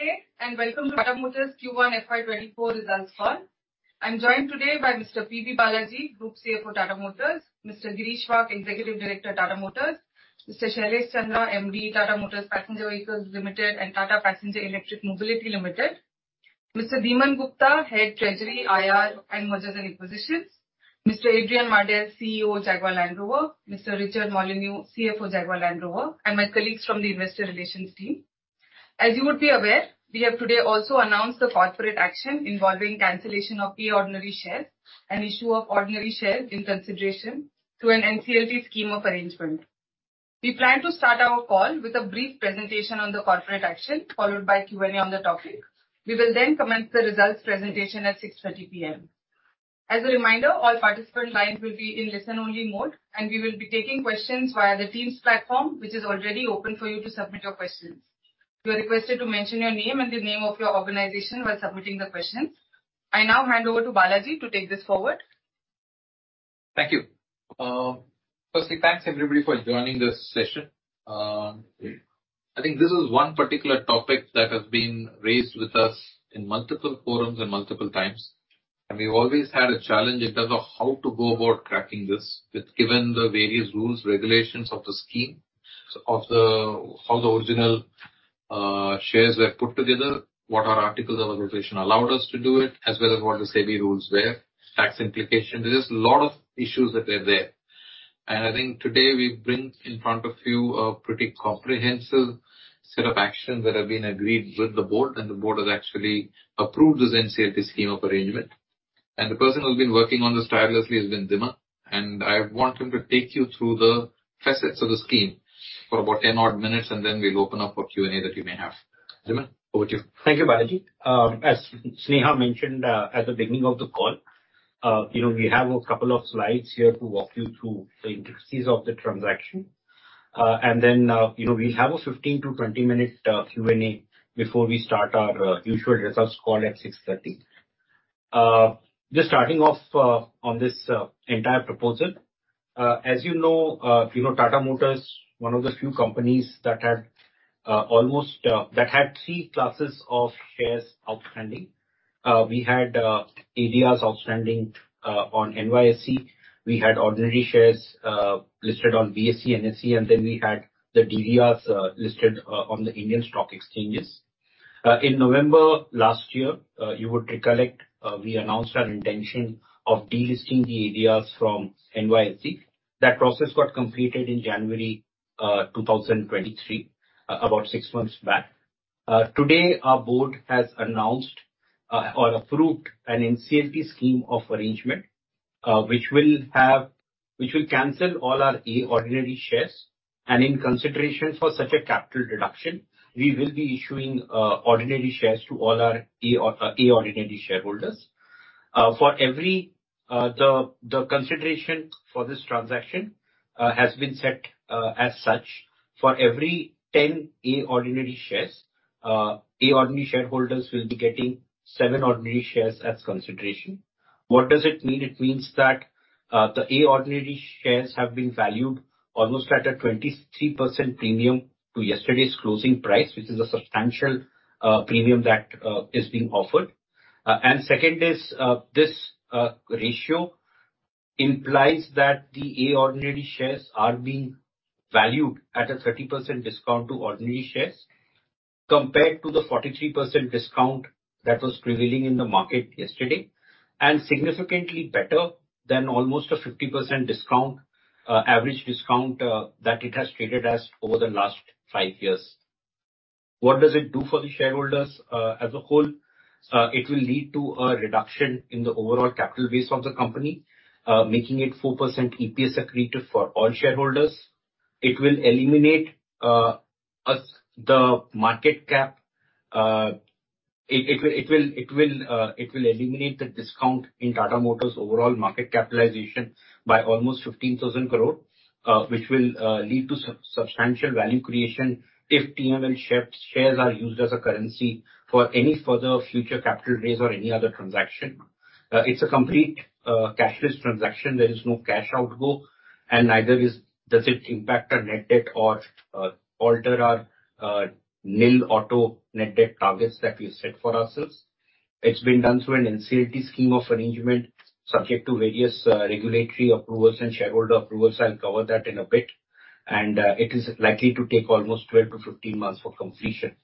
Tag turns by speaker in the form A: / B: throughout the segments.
A: Hey, welcome to Tata Motors Q1 FY24 results call. I'm joined today by Mr. P.B. Balaji, Group CFO, Tata Motors, Mr. Girish Wagh, Executive Director, Tata Motors, Mr. Shailesh Chandra, MD, Tata Motors Passenger Vehicles Limited and Tata Passenger Electric Mobility Limited, Mr. Dhiman Gupta, Head Treasury, IR, and Mergers and Acquisitions, Mr. Adrian Mardell, CEO, Jaguar Land Rover, Mr. Richard Molyneux, CFO, Jaguar Land Rover, and my colleagues from the investor relations team. As you would be aware, we have today also announced the corporate action involving cancellation of the Ordinary Share and issue of Ordinary Share in consideration to an NCLT scheme of arrangement. We plan to start our call with a brief presentation on the corporate action, followed by Q&A on the topic. We will then commence the results presentation at 6:30 P.M. As a reminder, all participant lines will be in listen-only mode, we will be taking questions via the Teams platform, which is already open for you to submit your questions. You are requested to mention your name and the name of your organization while submitting the questions. I now hand over to Balaji to take this forward.
B: Thank you. Firstly, thanks, everybody, for joining this session. I think this is one particular topic that has been raised with us in multiple forums and multiple times. We've always had a challenge in terms of how to go about cracking this, with given the various rules, regulations of the scheme, of the how the original shares were put together, what our articles of association allowed us to do it, as well as what the SEBI rules were, tax implication. There's a lot of issues that were there. I think today we bring in front of you a pretty comprehensive set of actions that have been agreed with the board. The board has actually approved this NCLT scheme of arrangement. The person who's been working on this tirelessly has been Dhiman, and I want him to take you through the facets of the scheme for about 10 odd minutes, and then we'll open up for Q&A that you may have. Dhiman, over to you.
C: Thank you, Balaji. As Sneha mentioned, at the beginning of the call, you know, we have a couple of slides here to walk you through the intricacies of the transaction. You know, we'll have a 15-20 minutes Q&A before we start our usual results call at 6:30 P.M. Just starting off on this entire proposal. As you know, you know, Tata Motors, one of the few companies that had almost that had three classes of shares outstanding. We had ADRs outstanding on NYSE, we had ordinary shares listed on BSE, NSE, and then we had the DVRs listed on the Indian stock exchanges. In November last year, you would recollect, we announced our intention of delisting the ADRs from NYSE. That process got completed in January 2023, about 6 months back. Today, our board has announced or approved an NCLT scheme of arrangement, which will cancel all our A Ordinary Shares, and in consideration for such a capital reduction, we will be issuing Ordinary Shares to all our A Ordinary Shareholders. For every, the consideration for this transaction has been set as such, for every 10 A Ordinary Shares, A Ordinary Shareholders will be getting 7 Ordinary Shares as consideration. What does it mean? It means that the A Ordinary Shares have been valued almost at a 23% premium to yesterday's closing price, which is a substantial premium that is being offered. Second is, this ratio implies that the A ordinary shares are being valued at a 30% discount to Ordinary Shares, compared to the 43% discount that was prevailing in the market yesterday, and significantly better than almost a 50% discount, average discount, that it has traded as over the last 5 years. What does it do for the shareholders, as a whole? It will lead to a reduction in the overall capital base of the company, making it 4% EPS accretive for all shareholders. It will eliminate the market cap. It will eliminate the discount in Tata Motors' overall market capitalization by almost 15,000 crore, which will lead to substantial value creation if TML shares are used as a currency for any further future capital raise or any other transaction. It's a complete cashless transaction. There is no cash outflow, neither does it impact our net debt or alter our nil auto net debt targets that we set for ourselves. It's been done through an NCLT scheme of arrangement, subject to various regulatory approvals and shareholder approvals. I'll cover that in a bit. It is likely to take almost 12 to 15 months for completion.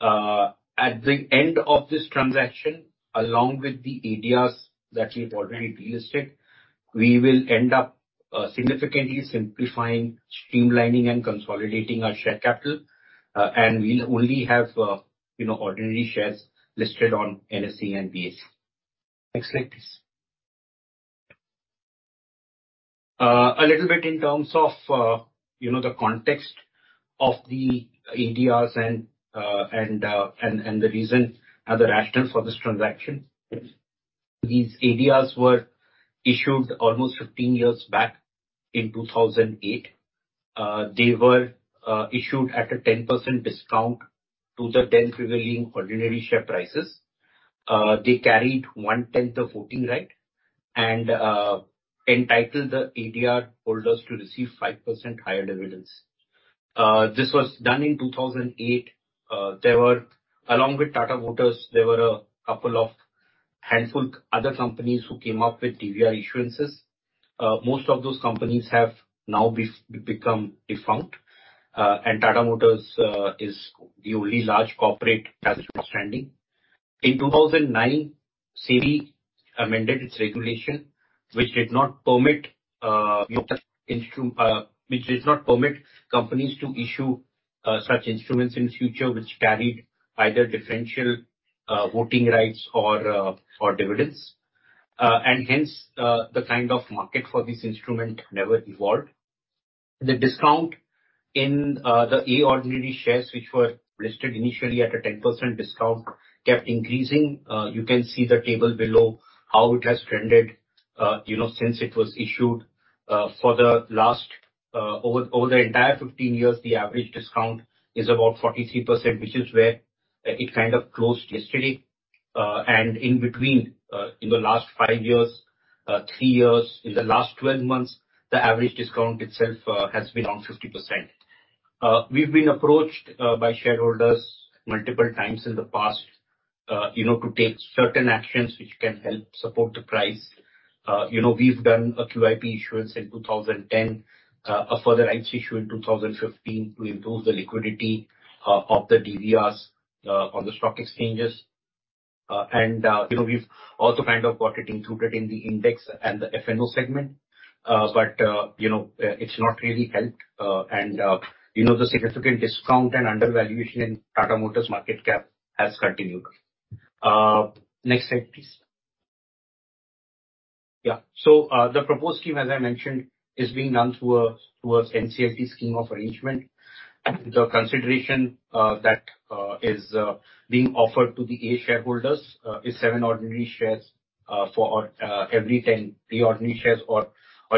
C: At the end of this transaction, along with the ADRs that we've already delisted, we will end up significantly simplifying, streamlining, and consolidating our share capital, and we'll only have, you know, Ordinary Shares listed on NSE and BSE. Next slide, please. A little bit in terms of, you know, the context of the ADRs and the reason and the rationale for this transaction. These ADRs were issued almost 15 years back in 2008. They were issued at a 10% discount to the then prevailing ordinary share prices. They carried one-tenth of voting right and entitled the ADR holders to receive 5% higher dividends. This was done in 2008. with Tata Motors, a couple of handful other companies who came up with DVR issuances. Most of those companies have now become defunct, and Tata Motors is the only large corporate that is outstanding. In 2009, SEBI amended its regulation, which did not permit companies to issue such instruments in future which carried either differential voting rights or dividends. And hence, the kind of market for this instrument never evolved. The discount in the Ordinary Shares, which were listed initially at a 10% discount, kept increasing. You can see the table below, how it has trended, you know, since it was issued. For the last over the entire 15 years, the average discount is about 43%, which is where it kind of closed yesterday. In between, in the last 5 years, 3 years, in the last 12 months, the average discount itself has been around 50%. We've been approached by shareholders multiple times in the past, you know, to take certain actions which can help support the price. You know, we've done a QIP issuance in 2010, a further rights issue in 2015 to improve the liquidity of the DVRs on the stock exchanges. You know, we've also kind of got it included in the index and the FNO segment. You know, it's not really helped. You know, the significant discount and undervaluation in Tata Motors' market cap has continued. Next slide, please. Yeah. The proposed scheme, as I mentioned, is being done through NCLT scheme of arrangement. The consideration that is being offered to the A shareholders is 7 Ordinary Shares for every 10 B Ordinary Shares or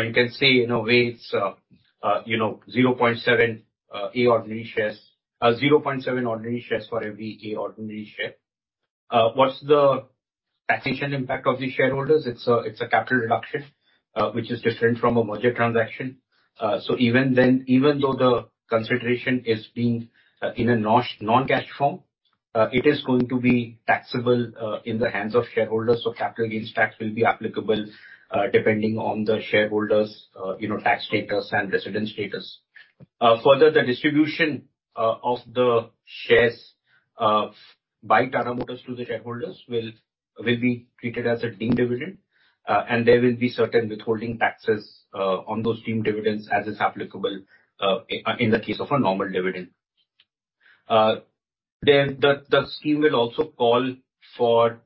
C: you can say in a way it's, you know, 0.7 A Ordinary Shares, 0.7 Ordinary Shares for every A Ordinary Share. What's the taxation impact of the shareholders? It's a capital reduction, which is different from a merger transaction. Even then, even though the consideration is being in a non-cash form, it is going to be taxable in the hands of shareholders. Capital gains tax will be applicable, depending on the shareholders', you know, tax status and residence status. Further, the distribution of the shares by Tata Motors to the shareholders will be treated as a deemed dividend, and there will be certain withholding taxes on those deemed dividends as is applicable in the case of a normal dividend. Then the scheme will also call for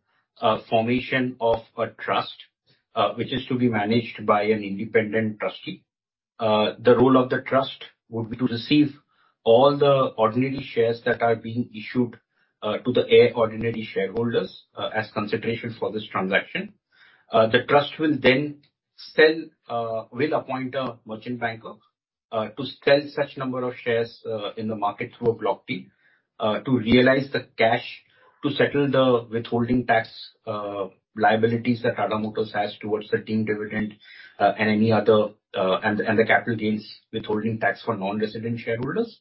C: formation of a trust, which is to be managed by an independent trustee. The role of the trust would be to receive all the ordinary shares that are being issued to the A ordinary shareholders as consideration for this transaction. The trust will then sell, will appoint a merchant banker to sell such number of shares in the market through a block trade to realize the cash to settle the withholding tax liabilities that Tata Motors has towards the deemed dividend and any other, and the capital gains withholding tax for non-resident shareholders.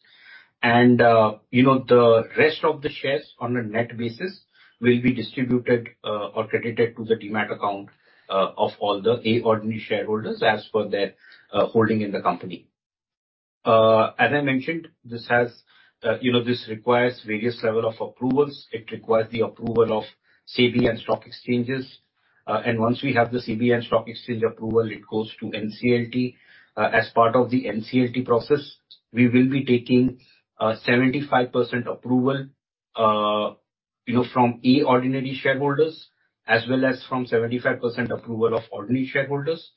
C: You know, the rest of the shares on a net basis will be distributed or credited to the demat account of all the A Ordinary Shareholders as per their holding in the company. As I mentioned, this has, you know, this requires various level of approvals. It requires the approval of SEBI and stock exchanges. Once we have the SEBI and stock exchange approval, it goes to NCLT... As part of the NCLT process, we will be taking 75% approval, you know, from A ordinary shareholders, as well as from 75% approval of ordinary shareholders.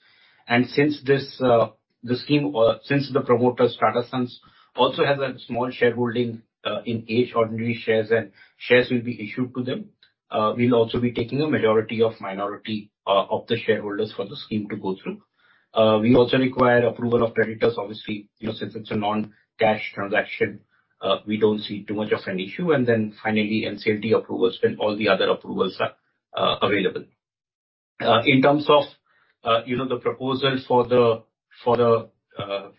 C: Since this, the scheme, since the promoters, Tata Sons, also has a small shareholding in A ordinary shares, and shares will be issued to them, we'll also be taking a majority of minority of the shareholders for the scheme to go through. We also require approval of creditors, obviously, you know, since it's a non-cash transaction, we don't see too much of an issue. Then finally, NCLT approvals when all the other approvals are available. In terms of, you know, the proposal for the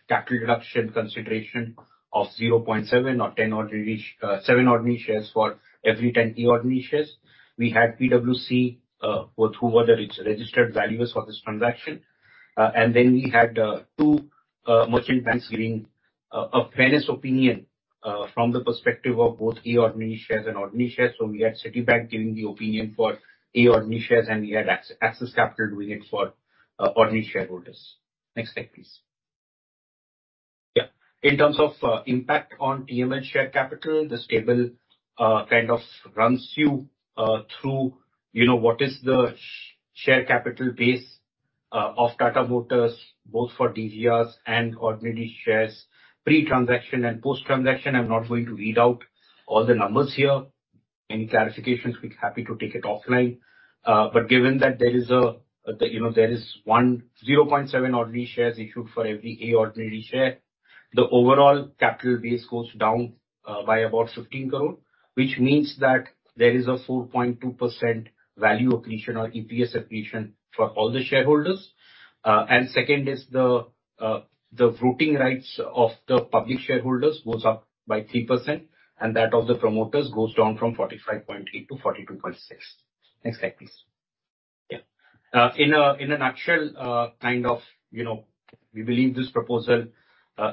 C: capital reduction consideration of 0.7 or 7 ordinary shares for every 10 A ordinary shares, we had PwC, who are the registered valuers for this transaction. We had two merchant banks giving a fairness opinion from the perspective of both A ordinary shares and ordinary shares. We had Citigroup giving the opinion for A ordinary shares, and we had Axis Capital doing it for ordinary shareholders. Next slide, please. Yeah. In terms of impact on TML share capital, this table kind of runs you through, you know, what is the share capital base of Tata Motors, both for DVRs and ordinary shares, pre-transaction and post-transaction. I'm not going to read out all the numbers here. Any clarifications, we'd be happy to take it offline. Given that there is a 1.07 Ordinary Shares issued for every A Ordinary Share, the overall capital base goes down by about 15 crore. Which means that there is a 4.2% value accretion or EPS accretion for all the shareholders. Second is the voting rights of the public shareholders goes up by 3%, and that of the promoters goes down from 45.8 to 42.6. Next slide, please. In a nutshell, we believe this proposal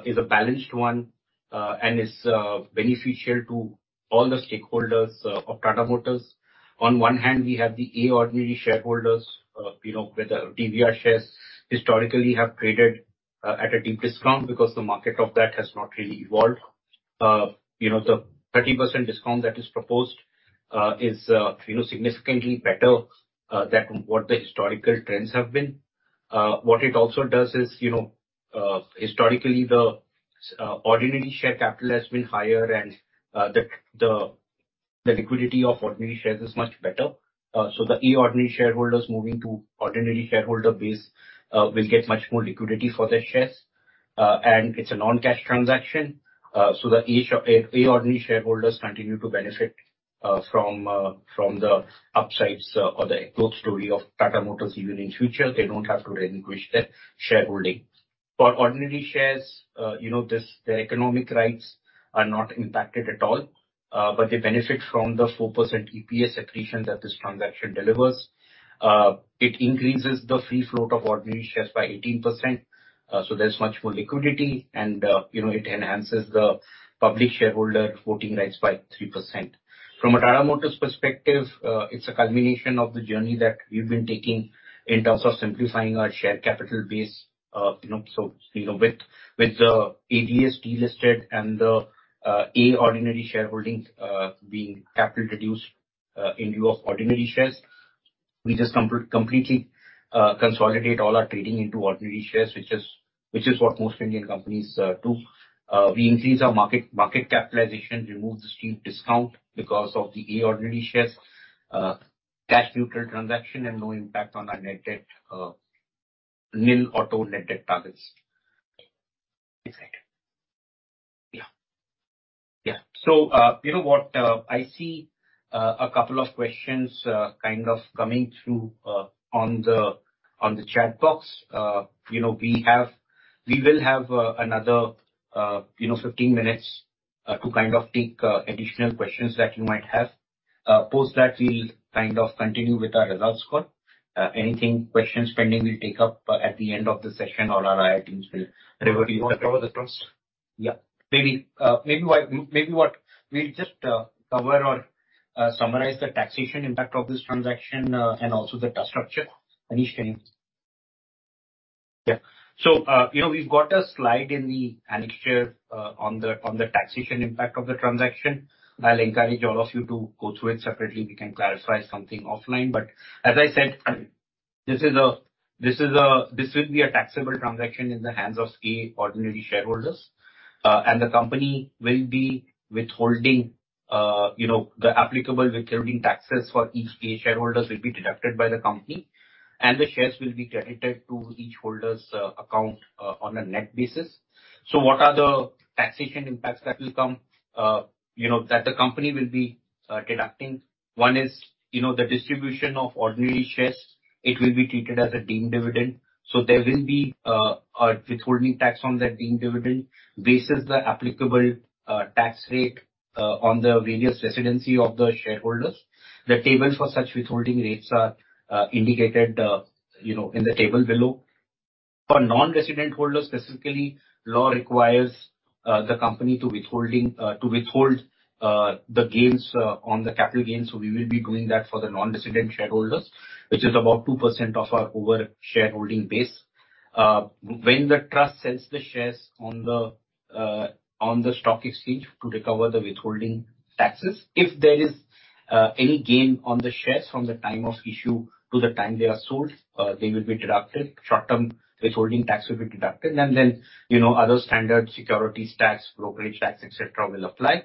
C: is a balanced one and is beneficial to all the stakeholders of Tata Motors. On one hand, we have the A ordinary shareholders, you know, where the DVR shares historically have traded at a deep discount because the market of that has not really evolved. You know, the 30% discount that is proposed is, you know, significantly better than what the historical trends have been. What it also does is, you know, historically the ordinary share capital has been higher and the liquidity of ordinary shares is much better. The A ordinary shareholders moving to ordinary shareholder base will get much more liquidity for their shares. It's a non-cash transaction, the A ordinary shareholders continue to benefit from the upsides or the growth story of Tata Motors even in future, they don't have to relinquish their shareholding. For ordinary shares, you know, this, the economic rights are not impacted at all, but they benefit from the 4% EPS accretion that this transaction delivers. It increases the free float of ordinary shares by 18%, so there's much more liquidity and, you know, it enhances the public shareholder voting rights by 3%. From a Tata Motors perspective, it's a culmination of the journey that we've been taking in terms of simplifying our share capital base. you know, so, you know, with the ADS delisted and the A ordinary shareholdings being capital reduced, in view of ordinary shares, we just completely consolidate all our trading into ordinary shares, which is what most Indian companies do. We increase our market capitalization, remove the steep discount because of the A Ordinary Shares, cash neutral transaction and no impact on our net debt, nil auto net debt targets. Next slide. You know what? I see a couple of questions kind of coming through on the chat box. You know, we will have another, you know, 15 minutes to kind of take additional questions that you might have. Post that, we'll kind of continue with our results call. Anything, questions pending, we'll take up at the end of the session or our teams will. Do you want to cover the trust? Maybe what we'll just cover or summarize the taxation impact of this transaction and also the trust structure. Anish, can you? Yeah. You know, we've got a slide in the annexure on the taxation impact of the transaction. I'll encourage all of you to go through it separately. We can clarify something offline, but as I said, this is a taxable transaction in the hands of A Ordinary shareholders. The company will be withholding, you know, the applicable withholding taxes for each A shareholders will be deducted by the company, and the shares will be credited to each holder's account on a net basis. What are the taxation impacts that will come, you know, that the company will be deducting? One is, you know, the distribution of Ordinary Shares, it will be treated as a deemed dividend. There will be a withholding tax on that deemed dividend, bases the applicable tax rate on the various residency of the shareholders. The table for such withholding rates are indicated, you know, in the table below. For non-resident holders, specifically, law requires the company to withhold the gains on the capital gains, so we will be doing that for the non-resident shareholders, which is about 2% of our overall shareholding base. When the trust sells the shares on the stock exchange to recover the withholding taxes, if there is any gain on the shares from the time of issue to the time they are sold, they will be deducted. Short-term withholding tax will be deducted, and then, you know, other standard securities tax, brokerage tax, et cetera, will apply.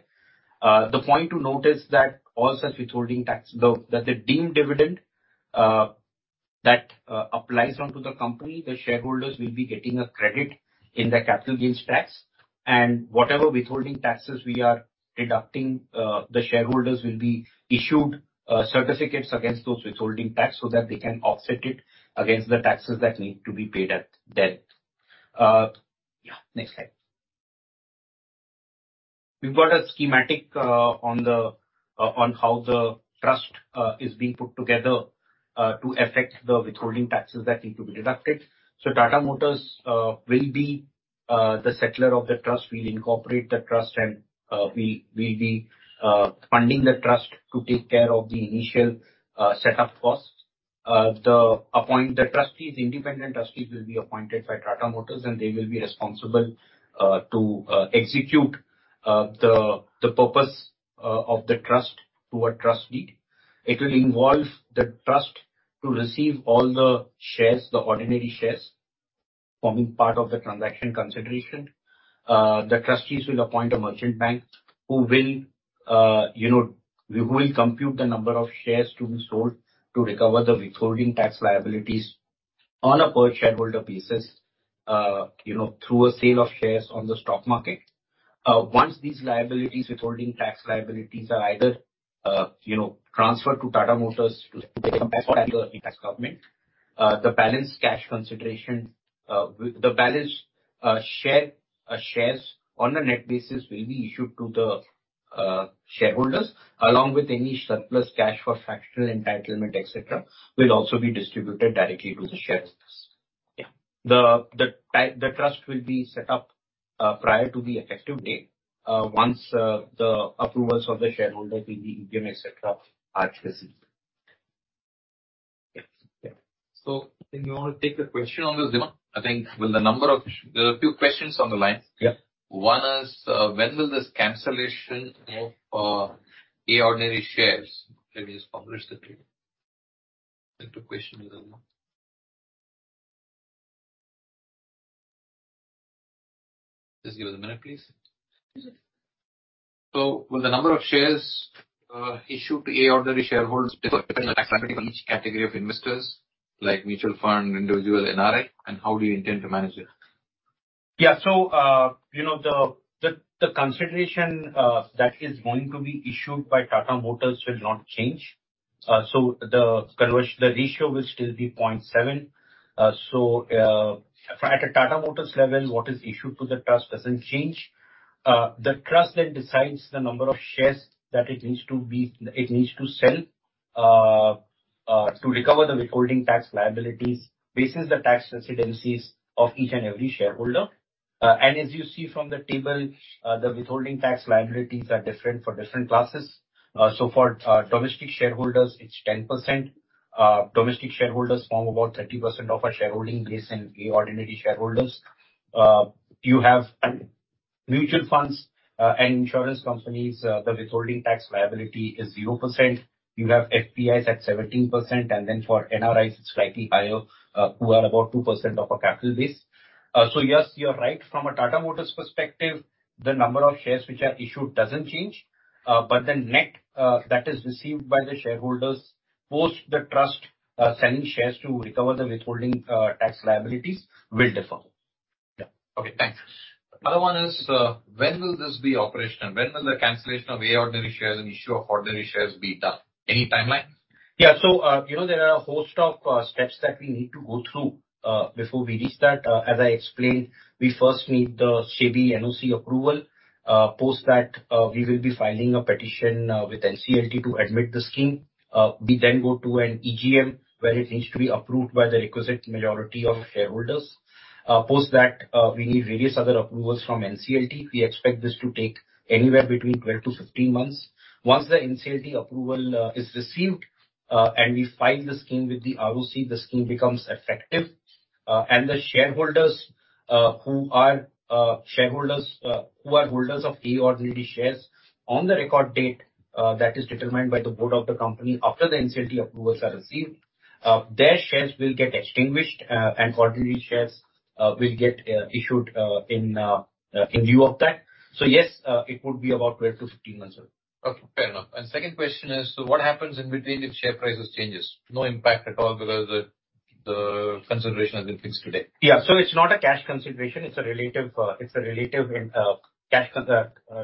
C: The point to note is that all such withholding tax, that the deemed dividend applies onto the company, the shareholders will be getting a credit in the capital gains tax. Whatever withholding taxes we are deducting, the shareholders will be issued certificates against those withholding tax so that they can offset it against the taxes that need to be paid at debt. Yeah, next slide. We've got a schematic on the on how the trust is being put together to affect the withholding taxes that need to be deducted. Tata Motors will be the settler of the trust. We'll incorporate the trust, and we'll be funding the trust to take care of the initial setup costs. The trustees, independent trustees, will be appointed by Tata Motors, and they will be responsible to execute the purpose of the trust to a trust deed. It will involve the trust to receive all the shares, the Ordinary Shares, forming part of the transaction consideration. The trustees will appoint a merchant bank who will, you know, who will compute the number of shares to be sold to recover the withholding tax liabilities on a per shareholder basis, you know, through a sale of shares on the stock market. Once these liabilities, withholding tax liabilities, are either, you know, transferred to Tata Motors to tax government, the balance cash consideration, with the balance shares on a net basis will be issued to the shareholders along with any surplus cash for fractional entitlement, et cetera, will also be distributed directly to the shareholders. Yeah. The trust will be set up prior to the effective date, once the approvals of the shareholders will be given, et cetera, are received.
B: Yeah. Can you all take a question on this, Dhiman? I think with the number of... There are a few questions on the line.
C: Yeah.
B: One is, when will this cancellation of A ordinary shares let me just publish the question? Just give us a minute, please. Will the number of shares issued to A ordinary shareholders depend on each category of investors like mutual fund, individual, NRI, and how do you intend to manage it?
C: You know, the consideration that is going to be issued by Tata Motors will not change. The ratio will still be 0.7. At a Tata Motors level, what is issued to the trust doesn't change. The trust decides the number of shares that it needs to sell to recover the withholding tax liabilities versus the tax residencies of each and every shareholder. As you see from the table, the withholding tax liabilities are different for different classes. For domestic shareholders, it's 10%. Domestic shareholders form about 30% of our shareholding base in A Ordinary Shareholders. You have mutual funds and insurance companies, the withholding tax liability is 0%. You have FPIs at 17%. For NRIs, it's slightly higher, who are about 2% of our capital base. Yes, you're right. From a Tata Motors perspective, the number of shares which are issued doesn't change, but the net that is received by the shareholders post the trust selling shares to recover the withholding tax liabilities will differ.
B: Yeah. Okay, thanks. Another one is, when will this be operational? When will the cancellation of A Ordinary Shares and issue of Ordinary Shares be done? Any timeline?
C: Yeah. You know, there are a host of steps that we need to go through before we reach that. As I explained, we first need the SEBI NOC approval. Post that, we will be filing a petition with NCLT to admit the scheme. We then go to an EGM, where it needs to be approved by the requisite majority of shareholders. Post that, we need various other approvals from NCLT. We expect this to take anywhere between 12 to 15 months. Once the NCLT approval is received, and we file the scheme with the ROC, the scheme becomes effective. The shareholders, who are holders of A Ordinary Shares on the record date, that is determined by the board of the company after the NCLT approvals are received, their shares will get extinguished, and Ordinary Shares will get issued in lieu of that. Yes, it would be about 12 to 15 months, sir.
B: Okay, fair enough. Second question is, what happens in between if share prices change? No impact at all because the consideration has been fixed today.
C: Yeah. It's not a cash consideration, it's a relative cash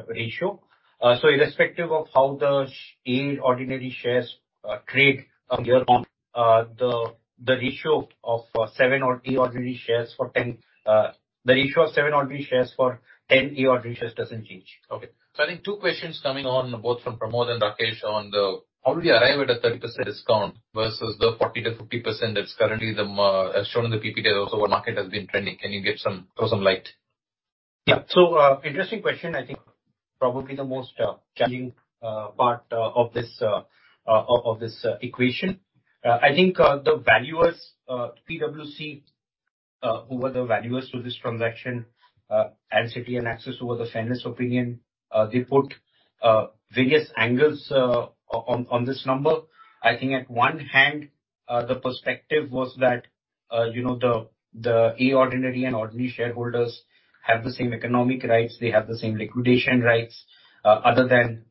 C: ratio. Irrespective of how the A Ordinary Shares trade year on, the ratio of 7 Ordinary Shares for 10 A Ordinary Shares doesn't change.
B: Okay. I think two questions coming on, both from Pramod and Rakesh, on the how do we arrive at a 30% discount versus the 40%-50% that's currently the, as shown in the PP today, also the market has been trending. Can you throw some light?
C: Interesting question. I think probably the most challenging part of this equation. I think the valuers, PwC, who were the valuers to this transaction, LCP and Axis, who were the fairness opinion, they put various angles on this number. I think at one hand, the perspective was that, you know, the A ordinary and ordinary shareholders have the same economic rights, they have the same liquidation rights, other than,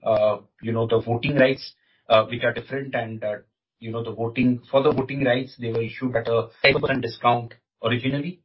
C: you know, the voting rights, which are different and, you know, for the voting rights, they were issued at a % discount originally.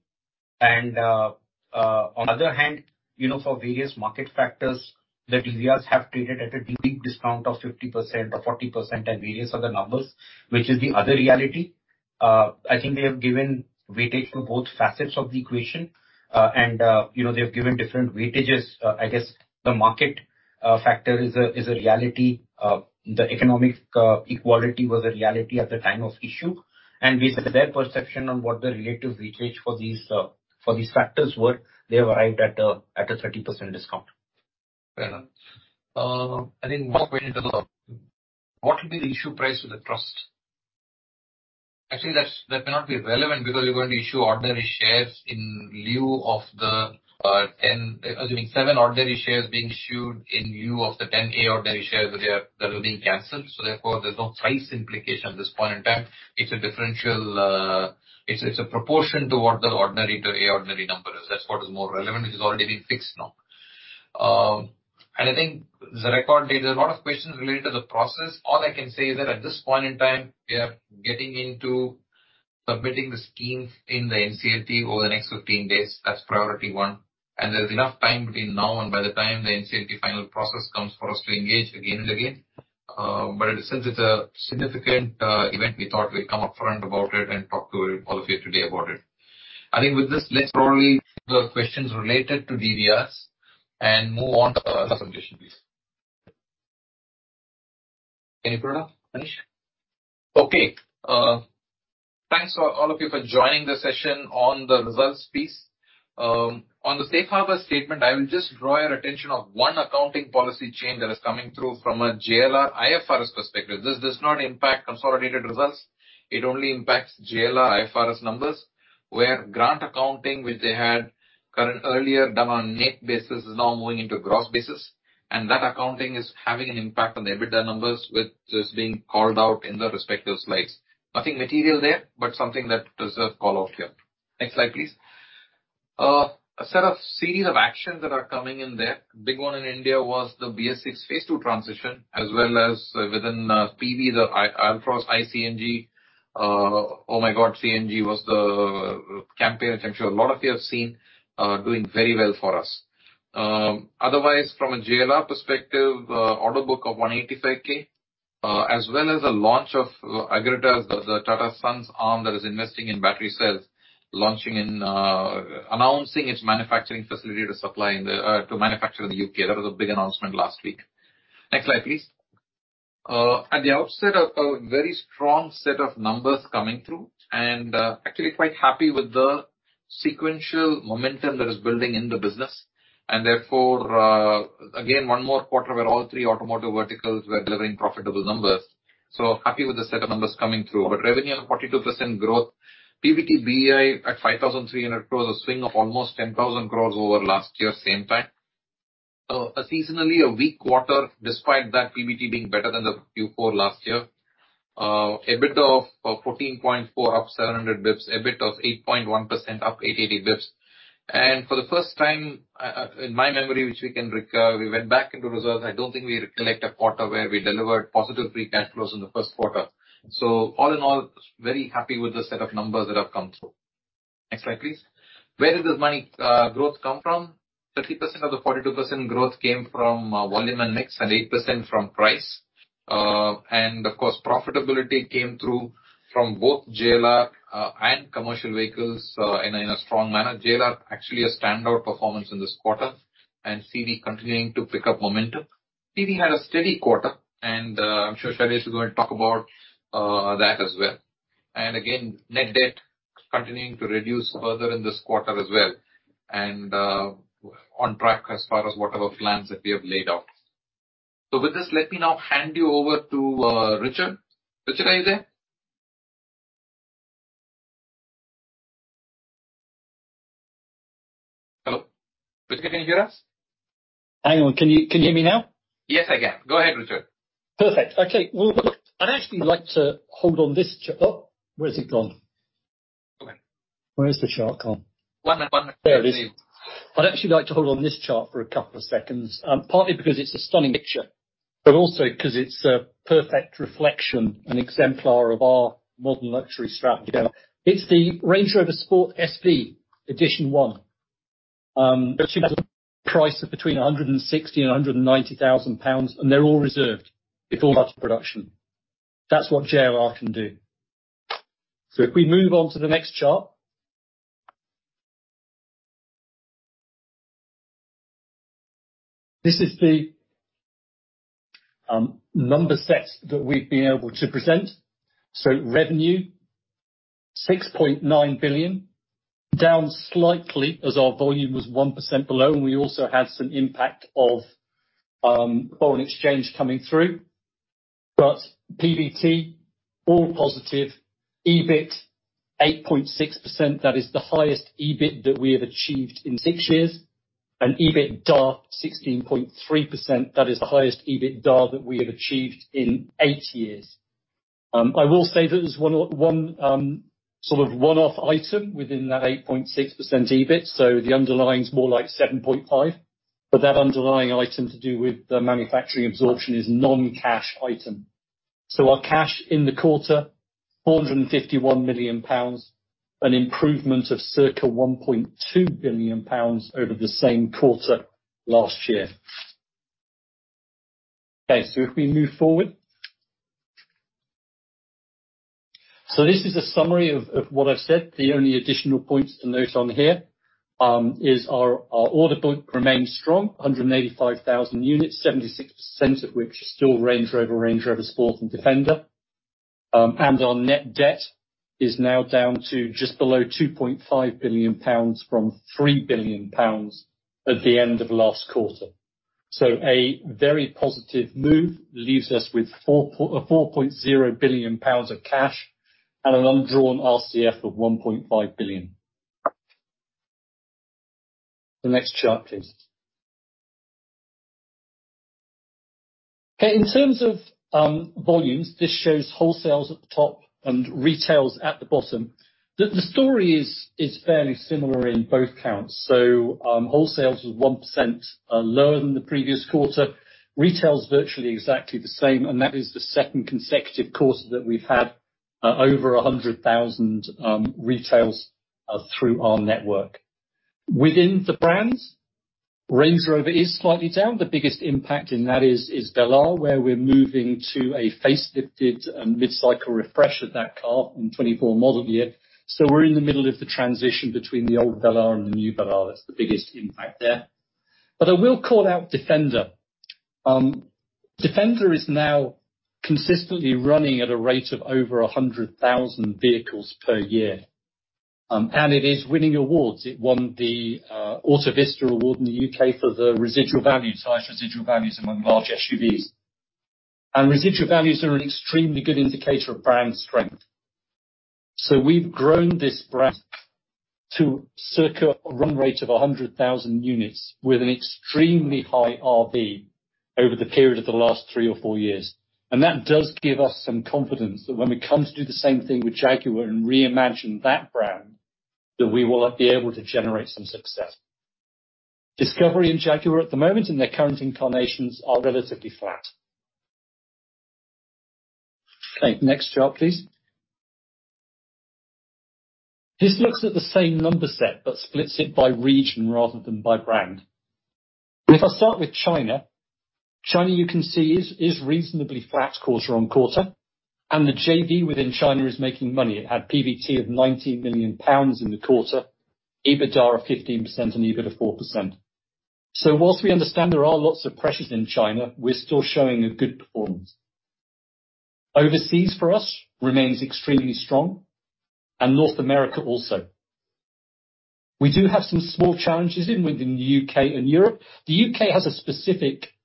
C: On other hand, you know, for various market factors, the DVRs have traded at a deep discount of 50% or 40% and various other numbers, which is the other reality. I think they have given weightage to both facets of the equation. You know, they've given different weightages. I guess the market factor is a reality. The economic equality was a reality at the time of issue, based on their perception on what the relative weightage for these for these factors were, they have arrived at a 30% discount.
B: Fair enough. I think one question, what will be the issue price for the trust? Actually, that may not be relevant because you're going to issue ordinary shares in lieu of the 10, assuming 7 ordinary shares being issued in lieu of the 10 A ordinary shares that are being canceled. Therefore, there's no price implication at this point in time. It's a differential. It's a proportion to what the ordinary to A ordinary number is. That's what is more relevant, which has already been fixed now. I think the record date, there are a lot of questions related to the process. All I can say is that at this point in time, we are getting into submitting the schemes in the NCLT over the next 15 days. That's priority one. There's enough time between now and by the time the NCLT final process comes for us to engage again and again. Since it's a significant event, we thought we'd come upfront about it and talk to all of you today about it. I think with this, let's probably the questions related to DVRs and move on to the presentation, please. Any further, Manish? Thanks for all of you for joining the session on the results piece. On the safe harbor statement, I will just draw your attention of one accounting policy change that is coming through from a JLR IFRS perspective. This does not impact consolidated results, it only impacts JLR IFRS numbers, where grant accounting, which they had current earlier done on net basis, is now moving into gross basis. That accounting is having an impact on the EBITDA numbers, which is being called out in the respective slides. Nothing material there, something that deserves call out here. Next slide, please. A set of series of actions that are coming in there. Big one in India was the BS6 Phase 2 transition, as well as within PV, the Altroz iCNG. Oh, my God, CNG was the campaign, which I'm sure a lot of you have seen, doing very well for us. Otherwise, from a JLR perspective, order book of 185K, as well as the launch of Agratas, the Tata Sons arm that is investing in battery cells, announcing its manufacturing facility to supply in the, to manufacture in the UK. That was a big announcement last week. Next slide, please. At the outset, a very strong set of numbers coming through, actually quite happy with the sequential momentum that is building in the business. Again, 1 more quarter where all three automotive verticals were delivering profitable numbers. Happy with the set of numbers coming through. Our revenue of 42% growth, PBTBI at 5,300 crores, a swing of almost 10,000 crores over last year, same time. A seasonally weak quarter, despite that PBT being better than the Q4 last year. A bit of 14.4%, up 700 basis points, a bit of 8.1%, up 880 basis points. For the first time, in my memory, which we can recur, we went back into reserves. I don't think we recollect a quarter where we delivered positive free cash flows in the first quarter. All in all, very happy with the set of numbers that have come through. Next slide, please. Where did this money growth come from? 30% of the 42% growth came from volume and mix, and 8% from price. Of course, profitability came through from both JLR and commercial vehicles in a strong manner. JLR, actually, a standout performance in this quarter, CV continuing to pick up momentum. PV had a steady quarter, I'm sure Shailesh is going to talk about that as well. Again, net debt continuing to reduce further in this quarter as well, on track as far as what are our plans that we have laid out. With this, let me now hand you over to Richard. Richard, are you there? Hello? Richard, can you hear us?
D: Hang on. Can you hear me now?
B: Yes, I can. Go ahead, Richard.
D: Perfect. Okay, well, look, I'd actually like to hold on this. Oh, where has it gone?
B: Go ahead.
D: Where has the chart gone?
B: One and one-
D: There it is. I'd actually like to hold on this chart for a couple of seconds, partly because it's a stunning picture, but also because it's a perfect reflection, an exemplar of our modern luxury strategy. It's the Range Rover Sport SV Edition One, which has a price of between 160,000 and 190,000 pounds, and they're all reserved before much production. That's what JLR can do. If we move on to the next chart. This is the number set that we've been able to present. Revenue, 6.9 billion, down slightly as our volume was 1% below, and we also had some impact of foreign exchange coming through. PBT, all positive, EBIT, 8.6%. That is the highest EBIT that we have achieved in 6 years, and EBITDAR, 16.3%. That is the highest EBITDAR that we have achieved in eight years. I will say that there's one sort of one-off item within that 8.6% EBIT, the underlying is more like 7.5%, but that underlying item to do with the manufacturing absorption is non-cash item. Our cash in the quarter, 451 million pounds, an improvement of circa 1.2 billion pounds over the same quarter last year. If we move forward. This is a summary of what I've said. The only additional points to note on here is our order book remains strong, 185,000 units, 76% of which are still Range Rover, Range Rover Sport and Defender. Our net debt is now down to just below 2.5 billion pounds from 3 billion pounds at the end of last quarter. A very positive move leaves us with 4.0 billion pounds of cash and an undrawn RCF of 1.5 billion. The next chart, please. In terms of volumes, this shows wholesales at the top and retails at the bottom. The story is fairly similar in both counts. Wholesales was 1% lower than the previous quarter. Retail is virtually exactly the same, and that is the second consecutive quarter that we've had over 100,000 retails through our network. Within the brands, Range Rover is slightly down. The biggest impact in that is Velar, where we're moving to a facelifted and mid-cycle refresh of that car in 2024 model year. We're in the middle of the transition between the old Velar and the new Velar. That's the biggest impact there. I will call out Defender. Defender is now consistently running at a rate of over 100,000 vehicles per year. It is winning awards. It won the Autovista award in the U.K. for the residual values, highest residual values among large SUVs. Residual values are an extremely good indicator of brand strength. We've grown this brand to circa a run rate of 100,000 units with an extremely high RV over the period of the last three or four years. That does give us some confidence that when we come to do the same thing with Jaguar and reimagine that brand, that we will be able to generate some success. Discovery and Jaguar at the moment, in their current incarnations, are relatively flat. Okay, next chart, please. This looks at the same number set, but splits it by region rather than by brand. If I start with China, you can see, is reasonably flat quarter on quarter, and the JV within China is making money. It had PBT of 19 million pounds in the quarter, EBITDA of 15% on EBIT of 4%. Whilst we understand there are lots of pressures in China, we're still showing a good performance. Overseas for us remains extremely strong, and North America also. We do have some small challenges within the UK and Europe. The U.K. has a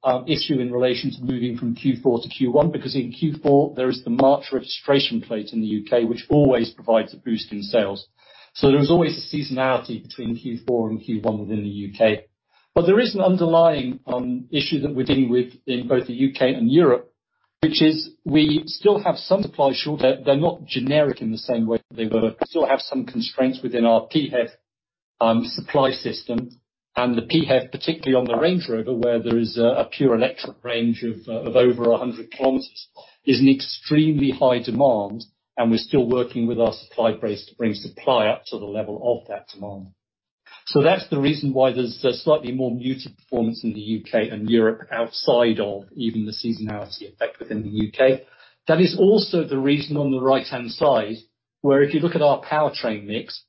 D: specific issue in relation to moving from Q4 to Q1, because in Q4 there is the March registration plate in the U.K., which always provides a boost in sales. There is always a seasonality between Q4 and Q1 within the U.K. There is an underlying issue that we're dealing with in both the U.K. and Europe, which is we still have some supply shortage. They're not generic in the same way that they were. We still have some constraints within our PHEV supply system, and the PHEV, particularly on the Range Rover, where there is a pure electric range of over 100 km, is in extremely high demand, and we're still working with our supply base to bring supply up to the level of that demand. That's the reason why there's a slightly more muted performance in the UK and Europe, outside of even the seasonality effect within the UK. That is also the reason on the right-hand side, where if you look at our powertrain mix,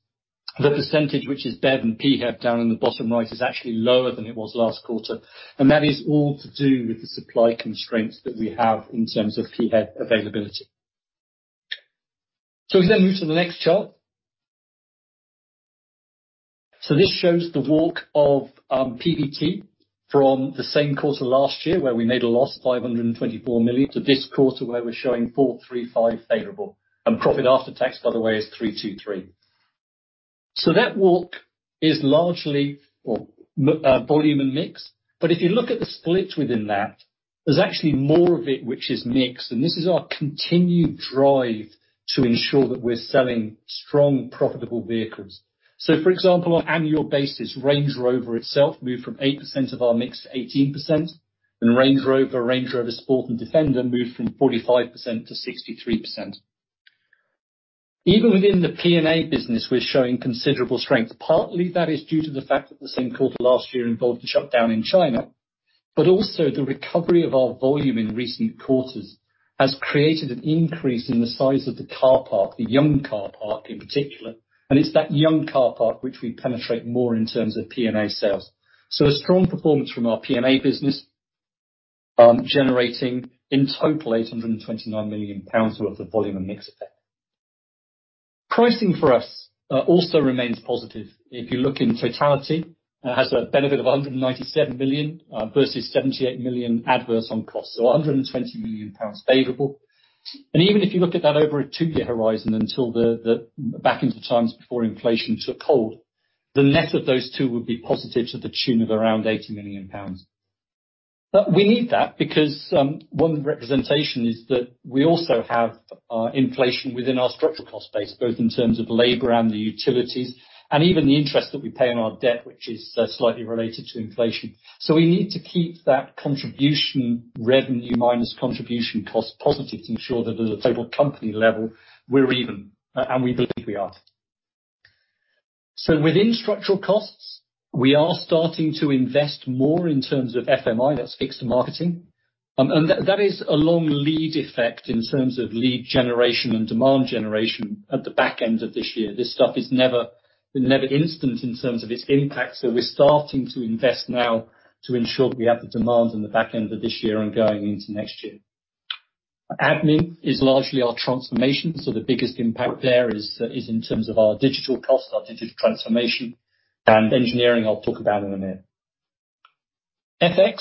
D: the percentage which is BEV and PHEV, down in the bottom right, is actually lower than it was last quarter. That is all to do with the supply constraints that we have in terms of PHEV availability. If we then move to the next chart. This shows the walk of PBT from the same quarter last year, where we made a loss of 524 million, to this quarter, where we're showing 435 million favorable. Profit after tax, by the way, is 323 million. That walk is largely, well, volume and mix. If you look at the split within that, there's actually more of it, which is mix, and this is our continued drive to ensure that we're selling strong, profitable vehicles. For example, on an annual basis, Range Rover itself moved from 8% of our mix to 18%, and Range Rover, Range Rover Sport and Defender moved from 45% to 63%. Even within the PNA business, we're showing considerable strength. Partly, that is due to the fact that the same quarter last year involved the shutdown in China, but also the recovery of our volume in recent quarters has created an increase in the size of the car park, the young car park in particular, and it's that young car park which we penetrate more in terms of PNA sales. A strong performance from our PNA business, generating in total 829 million pounds worth of volume and mix effect. Pricing for us also remains positive. If you look in totality, it has a benefit of 197 million versus 78 million adverse on costs, 120 million pounds favorable. Even if you look at that over a two-year horizon until back into times before inflation took hold, the net of those two would be positive to the tune of around 80 million pounds. We need that because one representation is that we also have inflation within our structural cost base, both in terms of labor and the utilities, and even the interest that we pay on our debt, which is slightly related to inflation. We need to keep that contribution, revenue minus contribution cost, positive to ensure that at a total company level, we're even, and we believe we are. Within structural costs, we are starting to invest more in terms of FMI, that's fixed marketing, and that is a long lead effect in terms of lead generation and demand generation at the back end of this year. This stuff is never instant in terms of its impact. We're starting to invest now to ensure that we have the demand in the back end of this year and going into next year. Admin is largely our transformation. The biggest impact there is in terms of our digital costs, our digital transformation, and engineering, I'll talk about in a minute. FX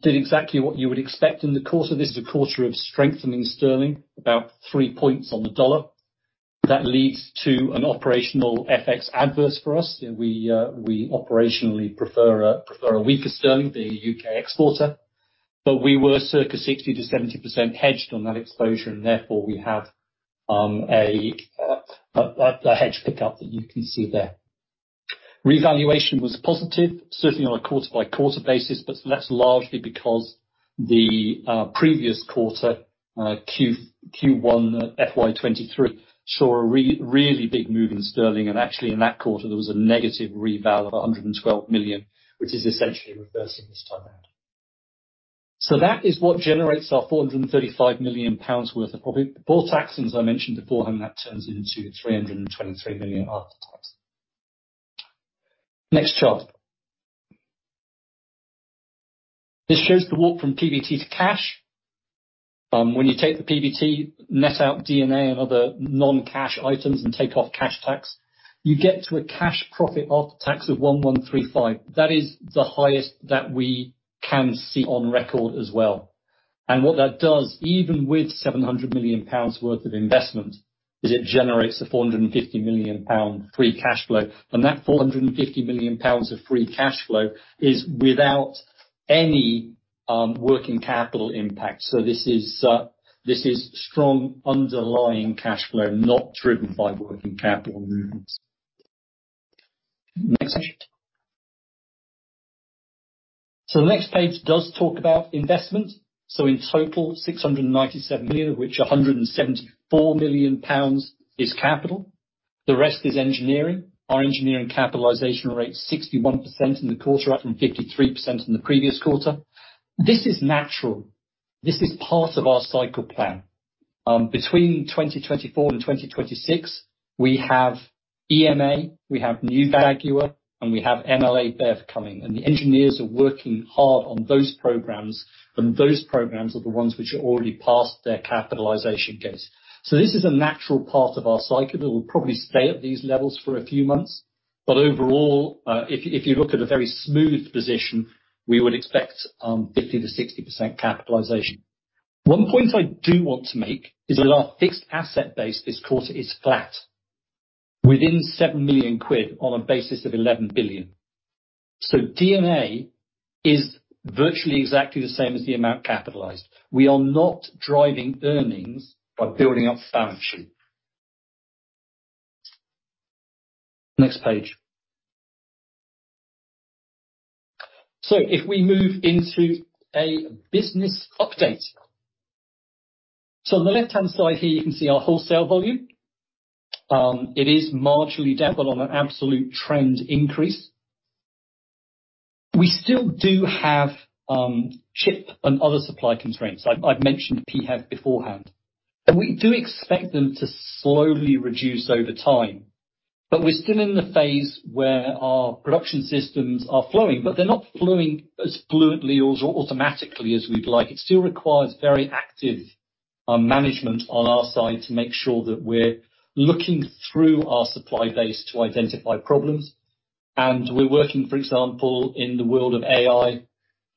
D: did exactly what you would expect in the quarter. This is a quarter of strengthening sterling, about 3 points on the dollar. Leads to an operational FX adverse for us. We operationally prefer a weaker sterling, the UK exporter, we were circa 60%-70% hedged on that exposure, we have a hedge pick up that you can see there. Revaluation was positive, certainly on a quarter-over-quarter basis, that's largely because the previous quarter, Q1 FY 2023, saw a really big move in sterling, in that quarter there was a negative reval of 112 million, which is essentially reversing this time out. That is what generates our 435 million pounds worth of profit. Before tax, as I mentioned beforehand, that turns into 323 million after tax. Next chart. This shows the walk from PBT to cash. When you take the PBT, net out D&A and other non-cash items and take off cash tax, you get to a cash profit after tax of 1,135 million. That is the highest that we can see on record as well. What that does, even with 700 million pounds worth of investment, is it generates a 450 million pound free cash flow, and that 450 million pounds of free cash flow is without any working capital impact. This is strong underlying cash flow, not driven by working capital movements. Next page. The next page does talk about investment. In total, 697 million, of which 174 million pounds is capital. The rest is engineering. Our engineering capitalization rate, 61% in the quarter, up from 53% in the previous quarter. This is natural. This is part of our cycle plan. Between 2024 and 2026, we have EMA, we have new Jaguar, and we have MLA BEV coming, and the engineers are working hard on those programs, and those programs are the ones which are already past their capitalization case. This is a natural part of our cycle, that will probably stay at these levels for a few months, but overall, if you look at a very smooth position, we would expect 50%-60% capitalization. One point I do want to make is that our fixed asset base this quarter is flat, within 7 million quid on a basis of 11 billion. D&A is virtually exactly the same as the amount capitalized. We are not driving earnings by building up balance sheet. Next page. If we move into a business update. On the left-hand side here, you can see our wholesale volume. It is marginally down, but on an absolute trend increase. We still do have chip and other supply constraints. I've mentioned PHEV beforehand, and we do expect them to slowly reduce over time. We're still in the phase where our production systems are flowing, but they're not flowing as fluently or automatically as we'd like. It still requires very active management on our side to make sure that we're looking through our supply base to identify problems. We're working, for example, in the world of AI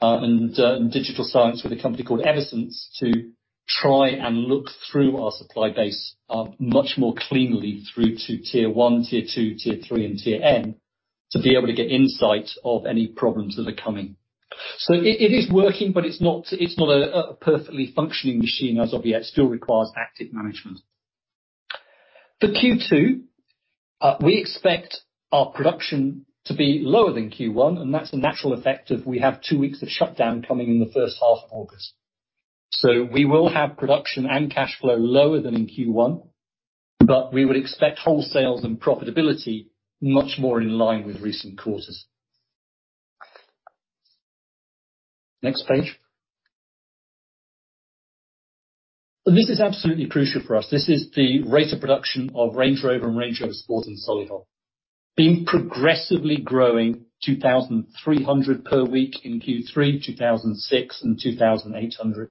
D: and digital science, with a company called Everstream, to try and look through our supply base much more cleanly through to tier one, tier two, tier three, and tier N, to be able to get insight of any problems that are coming. It is working, but it's not a perfectly functioning machine as of yet. It still requires active management. For Q2, we expect our production to be lower than Q1, and that's a natural effect of we have two weeks of shutdown coming in the first half of August. We will have production and cash flow lower than in Q1, but we would expect wholesales and profitability much more in line with recent quarters. Next page. This is absolutely crucial for us. This is the rate of production of Range Rover and Range Rover Sport in Solihull, being progressively growing 2,300 per week in Q3, 2,600, and 2,800.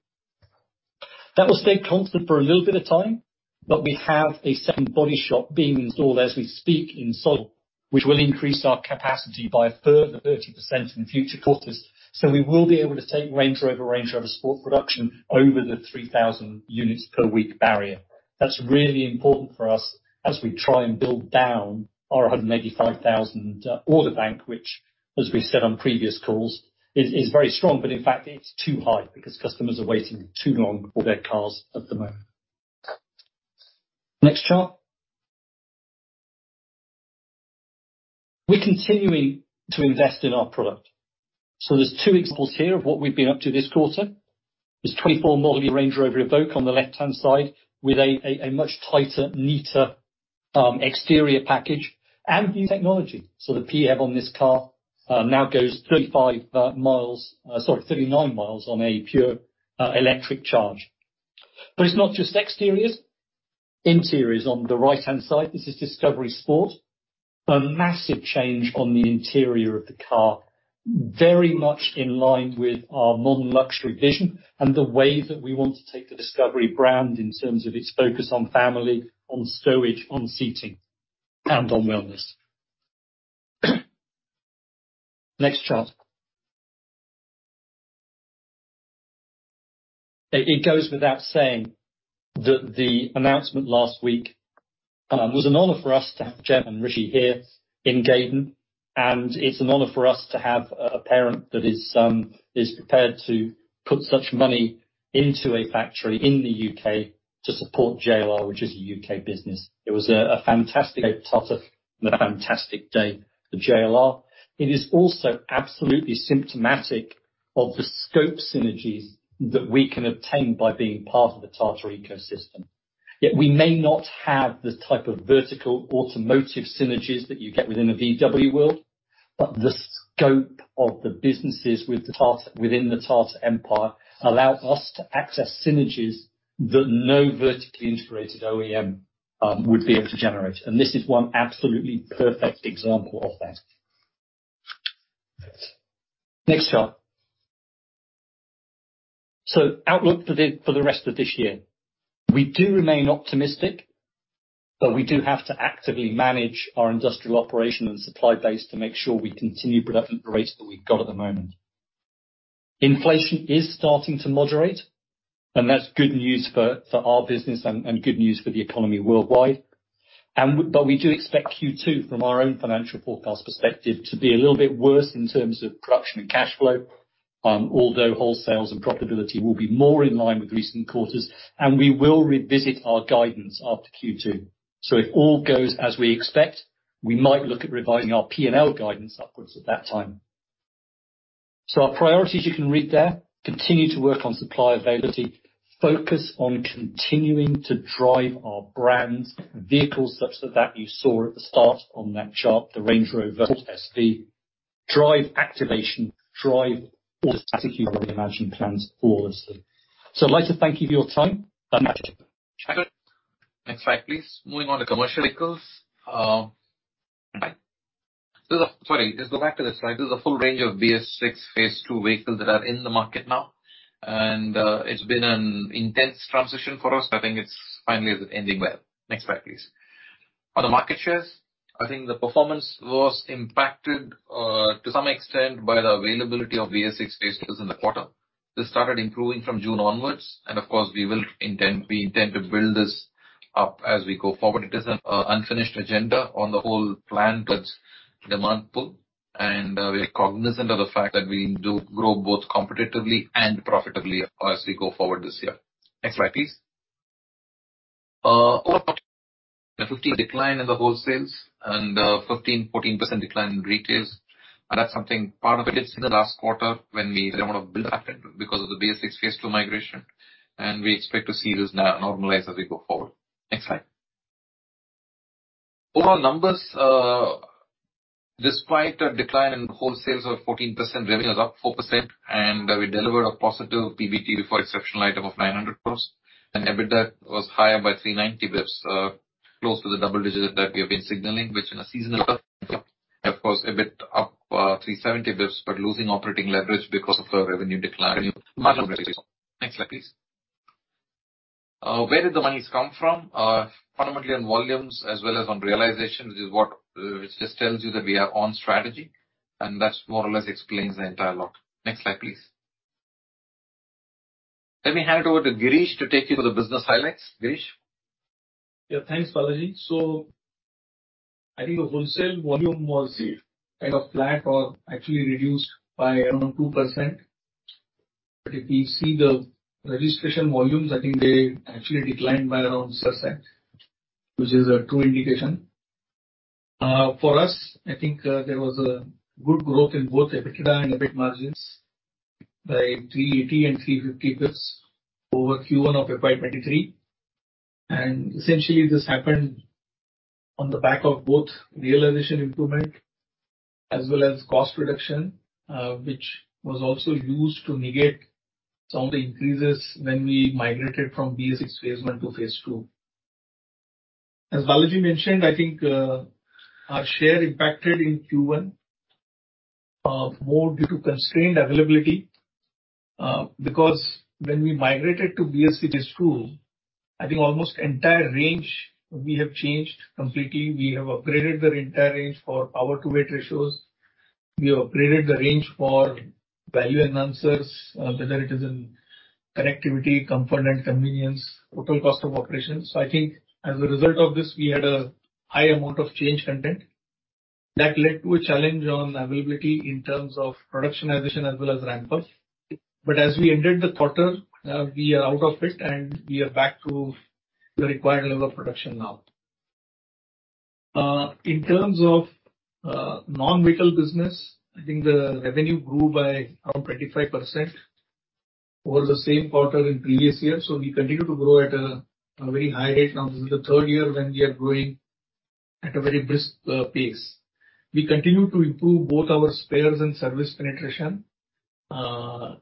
D: That will stay constant for a little bit of time, but we have a second body shop being installed as we speak in Solihull, which will increase our capacity by a further 30% in future quarters. We will be able to take Range Rover, Range Rover Sport production over the 3,000 units per week barrier. That's really important for us as we try and build down our 185,000 order bank, which, as we said on previous calls, is very strong, but in fact it's too high because customers are waiting too long for their cars at the moment. Next chart. We're continuing to invest in our product. There's 2 examples here of what we've been up to this quarter. There's 24 model Range Rover Evoque on the left-hand side, with a much tighter, neater exterior package and new technology. The PHEV on this car now goes 35 miles, sorry, 39 miles on a pure electric charge. It's not just exteriors, interiors on the right-hand side, this is Discovery Sport. A massive change on the interior of the car, very much in line with our modern luxury vision and the way that we want to take the Discovery brand in terms of its focus on family, on storage, on seating, and on wellness. Next chart. It goes without saying that the announcement last week was an honor for us to have Natarajan and Rishi here in Gaydon. It's an honor for us to have a parent that is prepared to put such money into a factory in the U.K. to support JLR, which is a U.K. business. It was a fantastic day for Tata and a fantastic day for JLR. It is also absolutely symptomatic of the scope synergies that we can obtain by being part of the Tata ecosystem. We may not have the type of vertical automotive synergies that you get within a VW world. The scope of the businesses with the Tata, within the Tata empire, allow us to access synergies that no vertically integrated OEM would be able to generate. This is one absolutely perfect example of that. Next chart. Outlook for the rest of this year. We do remain optimistic, but we do have to actively manage our industrial operation and supply base to make sure we continue production rates that we've got at the moment. Inflation is starting to moderate, and that's good news for our business and good news for the economy worldwide. But we do expect Q2, from our own financial forecast perspective, to be a little bit worse in terms of production and cash flow, although wholesales and profitability will be more in line with recent quarters, and we will revisit our guidance after Q2. If all goes as we expect, we might look at revising our P&L guidance upwards at that time. Our priorities you can read there, continue to work on supply availability, focus on continuing to drive our brands and vehicles such that you saw at the start on that chart, the Range Rover SV, drive activation, drive all the strategic expansion plans forward. I'd like to thank you for your time.
B: Next slide, please. Moving on to commercial vehicles. Sorry, just go back to this slide. This is the full range of BS VI Phase 2 vehicles that are in the market now. It's been an intense transition for us. I think it's finally ending well. Next slide, please. On the market shares, I think the performance was impacted to some extent by the availability of BS VI Phase 2 in the quarter. This started improving from June onwards. We intend to build this up as we go forward. It is an unfinished agenda on the whole plan. Demand pull, we are cognizant of the fact that we need to grow both competitively and profitably as we go forward this year. Next slide, please. Over... A 15% decline in the wholesales, 15%-14% decline in retails. That's something part of it is in the last quarter when we did amount of build happened because of the BS VI Phase 2 migration. We expect to see this now normalize as we go forward. Next slide. Overall numbers, despite a decline in wholesales of 14%, revenue is up 4%. We delivered a positive PBT before exceptional item of 900 crores. EBITDA was higher by 390 basis points, close to the double digits that we have been signaling, which in a seasonal, of course, a bit up, 370 basis points, but losing operating leverage because of the revenue decline. Next slide, please. Where did the monies come from? Fundamentally on volumes as well as on realization, which is what just tells you that we are on strategy. That more or less explains the entire lot. Next slide, please. Let me hand over to Girish to take you through the business highlights. Girish?
E: Thanks, Balaji. I think the wholesale volume was kind of flat or actually reduced by around 2%. If we see the registration volumes, I think they actually declined by around subset, which is a true indication. For us, I think, there was a good growth in both EBITDA and EBIT margins by 380 and 350 basis points over Q1 of FY23. Essentially, this happened on the back of both realization improvement as well as cost reduction, which was also used to negate some of the increases when we migrated from BS VI Phase 1 to Phase 2. As Balaji mentioned, I think, our share impacted in Q1, more due to constrained availability, because when we migrated to BS VI Phase 2, I think almost entire range, we have changed completely. We have upgraded the entire range for power-to-weight ratios. We have upgraded the range for value enhancers, whether it is in connectivity, comfort, and convenience, total cost of operations. I think as a result of this, we had a high amount of change content that led to a challenge on availability in terms of productionization as well as ramp ups. As we ended the quarter, we are out of it, and we are back to the required level of production now. In terms of non-vehicle business, I think the revenue grew by around 25% over the same quarter in previous years, we continue to grow at a very high rate. This is the third year when we are growing at a very brisk pace. We continue to improve both our spares and service penetration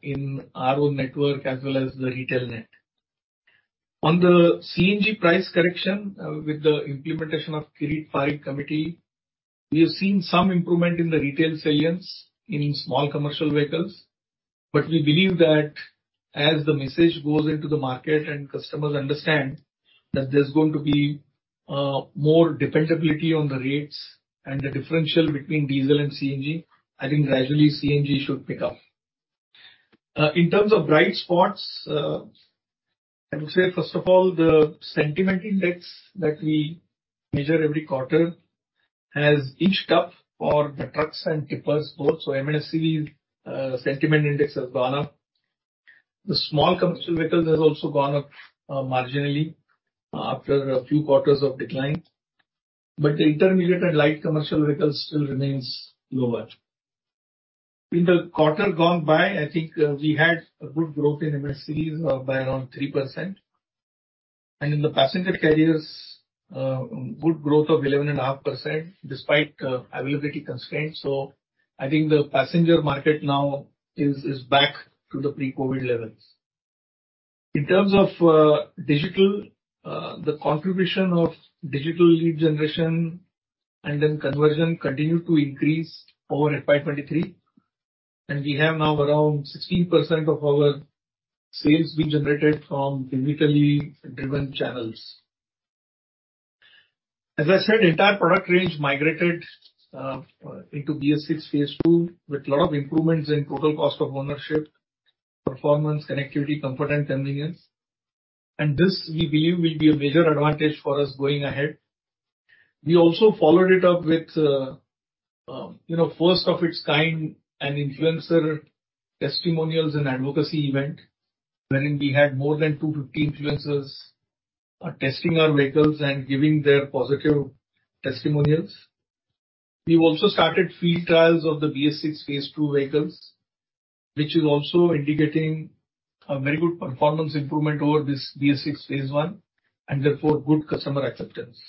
E: in our own network as well as the retail net. On the CNG price correction, with the implementation of Kirit Parikh Committee, we have seen some improvement in the retail salience in small commercial vehicles. We believe that as the message goes into the market and customers understand that there's going to be more dependability on the rates and the differential between diesel and CNG, I think gradually CNG should pick up. In terms of bright spots, I would say, first of all, the sentiment index that we measure every quarter has inched up for the trucks and tippers both. MHCV sentiment index has gone up. The small commercial vehicles has also gone up marginally after a few quarters of decline, but the intermediate and light commercial vehicles still remains lower. In the quarter gone by, I think, we had a good growth in MHCVs, by around 3%, and in the passenger carriers, good growth of 11.5%, despite availability constraints. I think the passenger market now is back to the pre-COVID levels. In terms of digital, the contribution of digital lead generation and then conversion continued to increase over FY 2023, and we have now around 16% of our sales being generated from digitally driven channels. As I said, entire product range migrated into BS6 Phase 2, with a lot of improvements in total cost of ownership, performance, connectivity, comfort, and convenience. This, we believe, will be a major advantage for us going ahead. We also followed it up with, you know, first of its kind, an influencer testimonials and advocacy event, wherein we had more than 250 influencers, testing our vehicles and giving their positive testimonials. We've also started field trials of the BS6 Phase 2 vehicles, which is also indicating a very good performance improvement over this BS6 Phase 1, and therefore, good customer acceptance.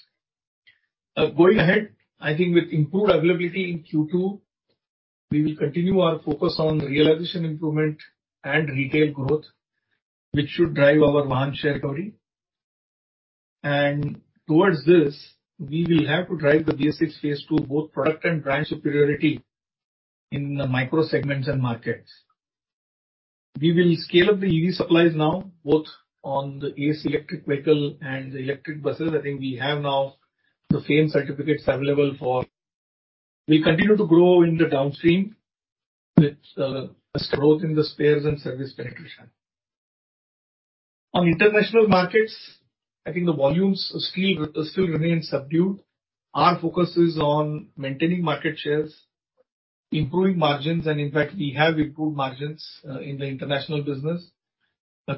E: Going ahead, I think with improved availability in Q2, we will continue our focus on realization improvement and retail growth, which should drive our volume share story. Towards this, we will have to drive the BS6 Phase 2, both product and brand superiority in the micro segments and markets. We will scale up the EV supplies now, both on the Ace electric vehicle and the electric buses. I think we have now the FAME certificates available for... We continue to grow in the downstream with growth in the spares and service penetration. On international markets, I think the volumes still remain subdued. Our focus is on maintaining market shares, improving margins, and in fact, we have improved margins in the international business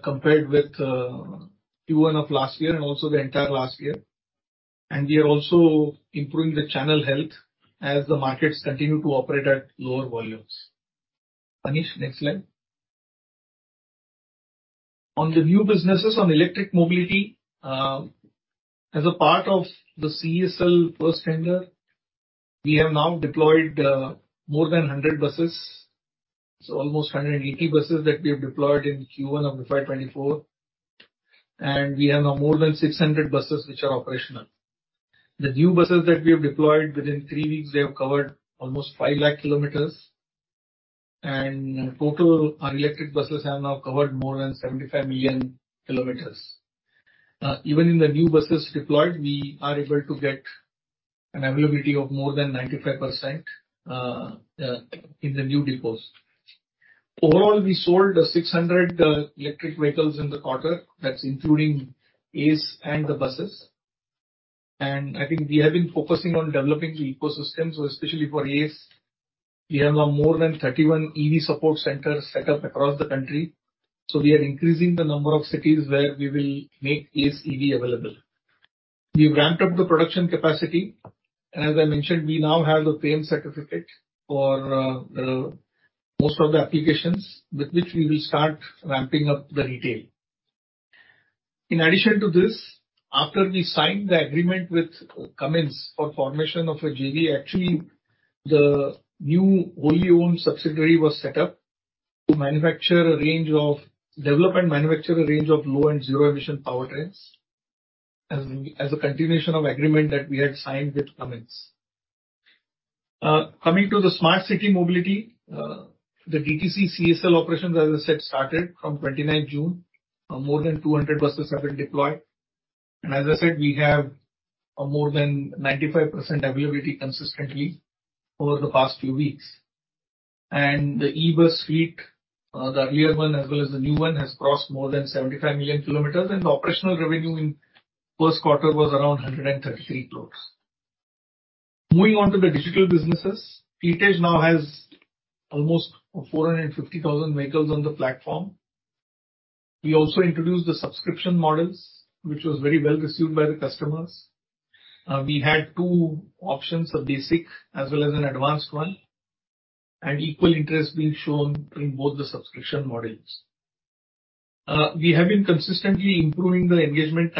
E: compared with Q1 of last year, and also the entire last year. We are also improving the channel health as the markets continue to operate at lower volumes. Manish, next slide. On the new businesses on electric mobility, as a part of the CESL first tender, we have now deployed more than 100 buses, so almost 180 buses that we have deployed in Q1 of FY 2024, and we have now more than 600 buses which are operational. The new buses that we have deployed, within 3 weeks, they have covered almost 5 lakh kilometers. In total, our electric buses have now covered more than 75 million kilometers. Even in the new buses deployed, we are able to get an availability of more than 95% in the new depots. Overall, we sold 600 electric vehicles in the quarter. That's including ACE and the buses. I think we have been focusing on developing the ecosystem. Especially for ACE, we have now more than 31 EV support centers set up across the country, so we are increasing the number of cities where we will make ACE EV available. We've ramped up the production capacity. As I mentioned, we now have the FAME certificate for most of the applications, with which we will start ramping up the retail. In addition to this, after we signed the agreement with Cummins for formation of a JV, actually, the new wholly-owned subsidiary was set up to develop and manufacture a range of low and zero-emission powertrains, as a continuation of agreement that we had signed with Cummins. Coming to the smart city mobility, the DTC CESL operations, as I said, started from 29th June. More than 200 buses have been deployed, as I said, we have more than 95% availability consistently over the past few weeks. The e-bus fleet, the earlier one, as well as the new one, has crossed more than 75 million kilometers, the operational revenue in first quarter was around 133 crores. Moving on to the digital businesses. Fleet Edge now has almost 450,000 vehicles on the platform. We also introduced the subscription models, which was very well received by the customers. We had two options, a basic as well as an advanced one, and equal interest being shown in both the subscription models. We have been consistently improving the engagement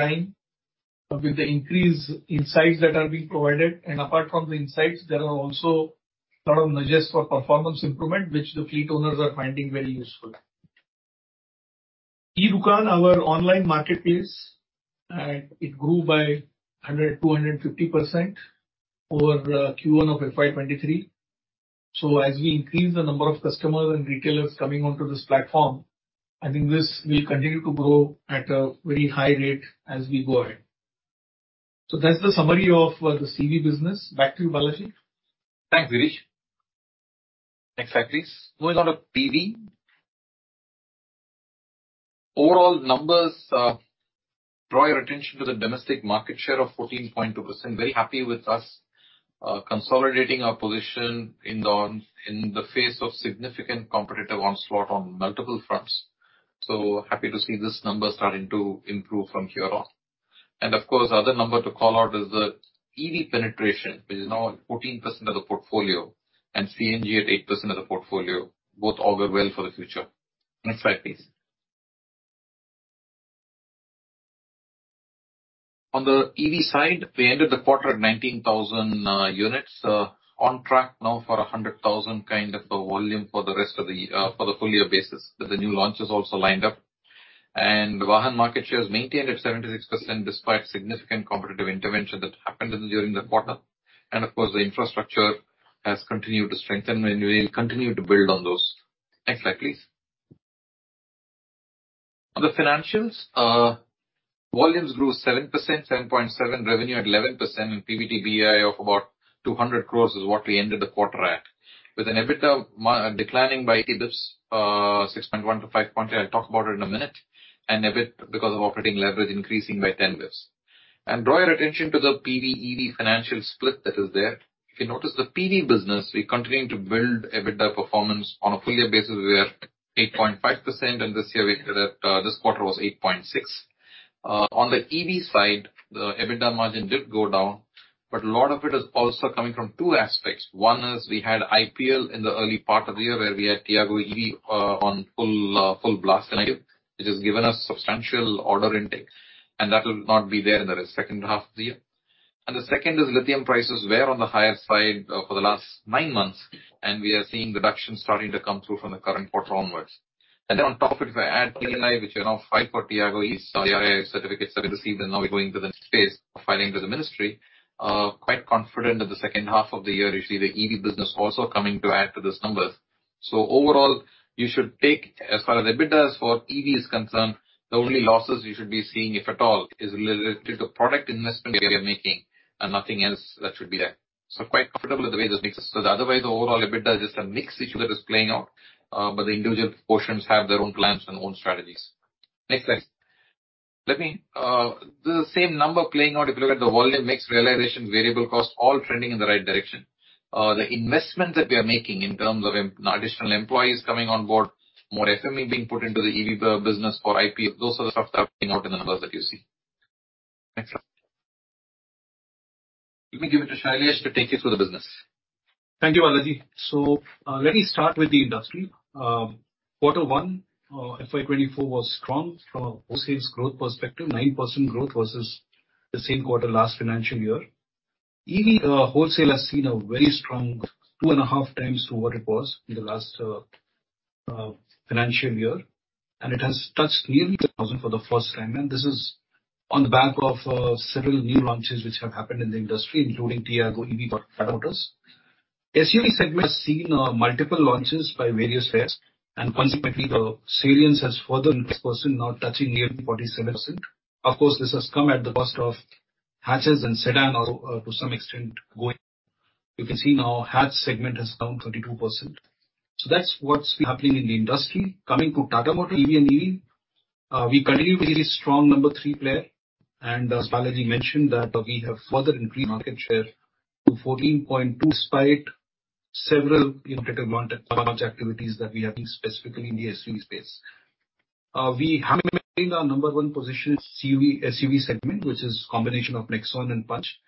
E: time with the increased insights that are being provided, and apart from the insights, there are also lot of nudges for performance improvement, which the fleet owners are finding very useful. e-Dukaan, our online marketplace, it grew by 100%-150% over Q1 of FY 2023. As we increase the number of customers and retailers coming onto this platform, I think this will continue to grow at a very high rate as we go ahead. That's the summary of the CV business. Back to you, Balaji.
B: Thanks, Girish. Next slide, please. Moving on to PV. Overall numbers, draw your attention to the domestic market share of 14.2%. Very happy with us, consolidating our position in the face of significant competitive onslaught on multiple fronts. Happy to see this number starting to improve from here on. Of course, the other number to call out is the EV penetration, which is now at 14% of the portfolio and CNG at 8% of the portfolio, both augur well for the future. Next slide, please. On the EV side, we ended the quarter at 19,000 units. On track now for 100,000, kind of a volume for the rest of the year, for the full year basis, with the new launches also lined up. Vahan market share is maintained at 76%, despite significant competitive intervention that happened during the quarter. Of course, the infrastructure has continued to strengthen, and we will continue to build on those. Next slide, please. On the financials, volumes grew 7%, 7.7%, revenue at 11%, and PBT of about 200 crore is what we ended the quarter at, with an EBITDA declining by 8 basis points, 6.1% to 5.8%. I'll talk about it in a minute. EBIT, because of operating leverage, increasing by 10 basis points. Draw your attention to the PV, EV financial split that is there. If you notice the PV business, we're continuing to build EBITDA performance. On a full year basis, we are at 8.5%, and this year we ended at, this quarter was 8.6. On the EV side, the EBITDA margin did go down, but a lot of it is also coming from two aspects. One is we had IPL in the early part of the year, where we had Tiago EV on full full blast. It has given us substantial order intake, and that will not be there in the second half of the year. The second is lithium prices were on the higher side for the last 9 months, and we are seeing reductions starting to come through from the current quarter onwards. On top of it, if I add, which are now filed for Tiago EV, the EIA certificate started this season, now we're going to the next phase of filing to the ministry. Quite confident that the second half of the year, you'll see the EV business also coming to add to these numbers. Overall, you should take as far as EBITDA for EV is concerned, the only losses you should be seeing, if at all, is related to product investment we are making and nothing else that should be there. Quite comfortable with the way this mixes. Otherwise, the overall EBITDA is just a mix situation that is playing out, but the individual portions have their own plans and own strategies. Next slide. The same number playing out. If you look at the volume, mix, realization, variable cost, all trending in the right direction. The investment that we are making in terms of additional employees coming on board, more SME being put into the EV business for IPL, those are the stuff that are playing out in the numbers that you see. Next slide. Let me give it to Shailesh to take you through the business.
F: Thank you, Balaji. Let me start with the industry. Quarter one, FY 2024 was strong from a wholesale growth perspective, 9% growth versus the same quarter last financial year. EV wholesale has seen a very strong 2.5 times to what it was in the last financial year, and it has touched nearly 1,000 for the first time. This is on the back of several new launches which have happened in the industry, including Tiago EV by Tata Motors. SUV segment has seen multiple launches by various players, and consequently, the salience has further increased percent, now touching nearly 47%. Of course, this has come at the cost of hatches and sedan to some extent, going. You can see now, hatch segment has grown 32%. That's what's happening in the industry. Coming to Tata Motors, EV and EV, we continue to be a strong number 3 player. As Balaji mentioned, we have further increased market share to 14.2%, despite several innovative launch activities that we are having specifically in the SUV space. We have maintained our number 1 position in SUV segment, which is a combination of Nexon and Punch.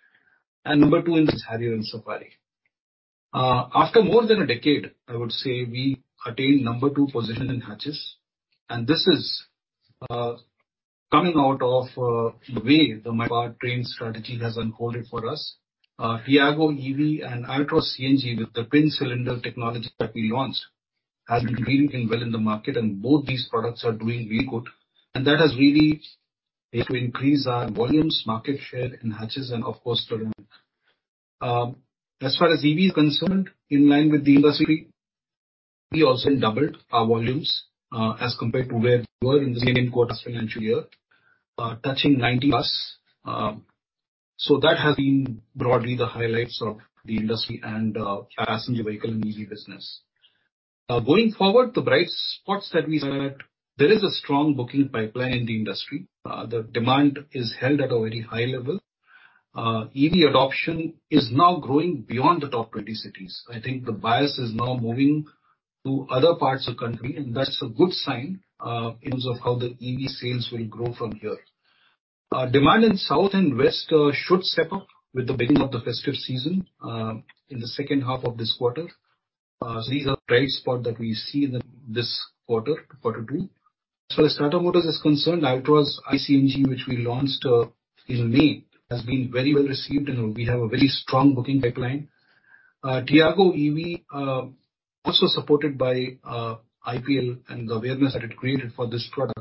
F: Number 2 is Harrier and Safari. After more than a decade, I would say we attained number 2 position in hatches. This is coming out of the way the powertrain strategy has unfolded for us. Tiago EV and Altroz iCNG, with the twin cylinder technology that we launched, has been doing well in the market. Both these products are doing really good. That has really helped to increase our volumes, market share in hatches, and of course, terrain. As far as EV is concerned, in line with the industry, we also doubled our volumes as compared to where we were in the second quarter last financial year, touching 90+. That has been broadly the highlights of the industry and passenger vehicle and EV business. Going forward, the bright spots that we said, there is a strong booking pipeline in the industry. The demand is held at a very high level. EV adoption is now growing beyond the top 20 cities. I think the bias is now moving to other parts of the country, and that's a good sign in terms of how the EV sales will grow from here. Demand in South and West should step up with the beginning of the festive season in the second half of this quarter. These are bright spot that we see in this quarter 2. As Tata Motors is concerned, Altroz iCNG, which we launched in May, has been very well received, and we have a very strong booking pipeline. Tiago EV, also supported by IPL, and the awareness that it created for this product,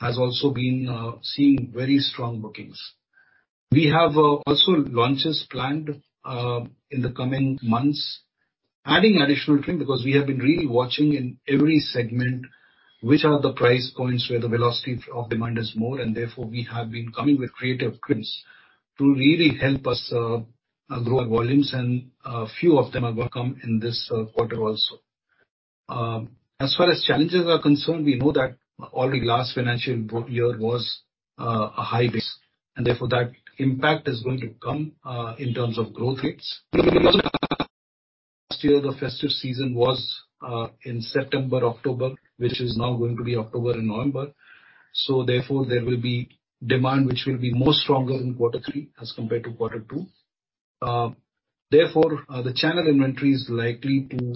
F: has also been seeing very strong bookings. We have also launches planned in the coming months, adding additional thing, because we have been really watching in every segment, which are the price points where the velocity of demand is more, and therefore, we have been coming with creative prints to really help us grow our volumes, and a few of them will come in this quarter also. As far as challenges are concerned, we know that already last financial year was a high risk, and therefore, that impact is going to come in terms of growth rates. Last year, the festive season was in September, October, which is now going to be October and November. Therefore, there will be demand, which will be more stronger in quarter three as compared to quarter two. The channel inventory is likely to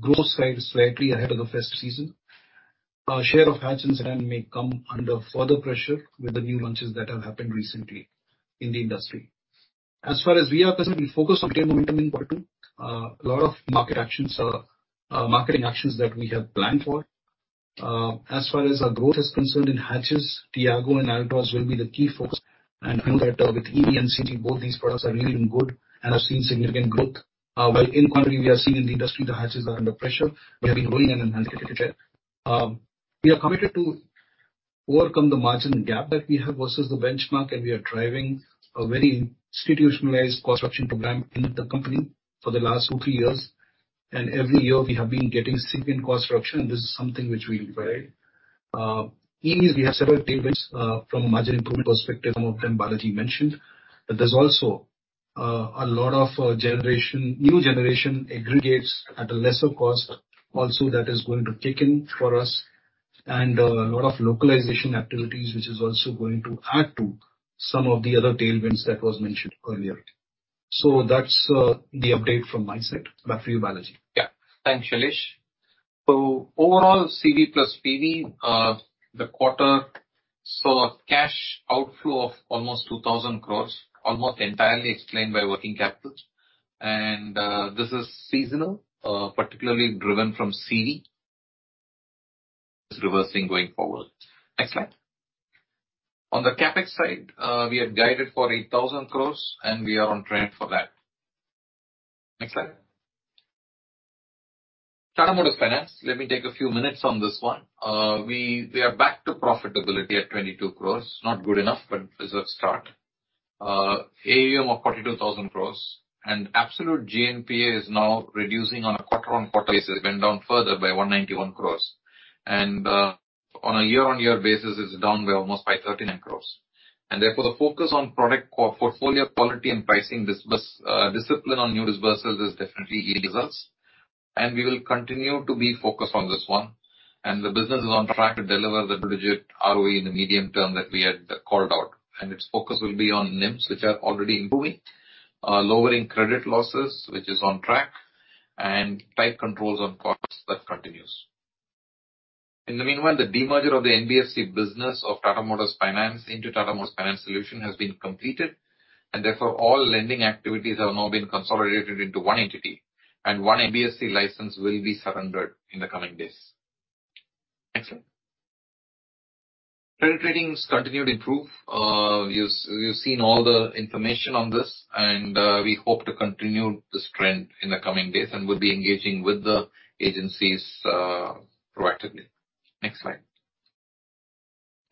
F: grow slightly ahead of the festive season. Our share of hatches and may come under further pressure with the new launches that have happened recently in the industry. As far as we are concerned, we focus on getting momentum in quarter two. A lot of market actions are marketing actions that we have planned for. As far as our growth is concerned in hatches, Tiago and Altroz will be the key focus, and I know that with EV and CT, both these products are really doing good and have seen significant growth. In country, we are seeing in the industry, the hatches are under pressure. We have been growing in an. We are committed to work on the margin gap that we have versus the benchmark, we are driving a very institutionalized cost reduction program in the company for the last 2, 3 years. Every year we have been getting significant cost reduction. This is something which we value. In this, we have several tailwinds from a margin improvement perspective, some of them Balaji mentioned, there's also a lot of generation, new generation aggregates at a lesser cost also that is going to kick in for us, a lot of localization activities, which is also going to add to some of the other tailwinds that was mentioned earlier. That's the update from my side. Back to you, Balaji.
B: Yeah. Thanks, Shailesh. Overall, CE plus PE, the quarter saw a cash outflow of almost 2,000 crores, almost entirely explained by working capital. This is seasonal, particularly driven from CE, is reversing going forward. Next slide. On the CapEx side, we had guided for 8,000 crores, and we are on track for that. Next slide. Tata Motors Finance, let me take a few minutes on this one. We are back to profitability at 22 crores. Not good enough, but it's a start. AUM of 42,000 crores, absolute GNPA is now reducing on a quarter-on-quarter basis, went down further by 191 crores. On a year-on-year basis, it's down by almost by 39 crores. The focus on product or portfolio quality and pricing discipline on new disbursements is definitely yields us, and we will continue to be focused on this one. The business is on track to deliver double-digit ROE in the medium term that we had called out, and its focus will be on NIMs, which are already improving, lowering credit losses, which is on track, and tight controls on costs, that continues. The demerger of the NBFC business of Tata Motors Finance into Tata Motors Finance Solutions has been completed, and therefore, all lending activities have now been consolidated into one entity, and one NBFC license will be surrendered in the coming days. Next slide. Credit ratings continued to improve. You've seen all the information on this, we hope to continue this trend in the coming days, we'll be engaging with the agencies proactively. Next slide.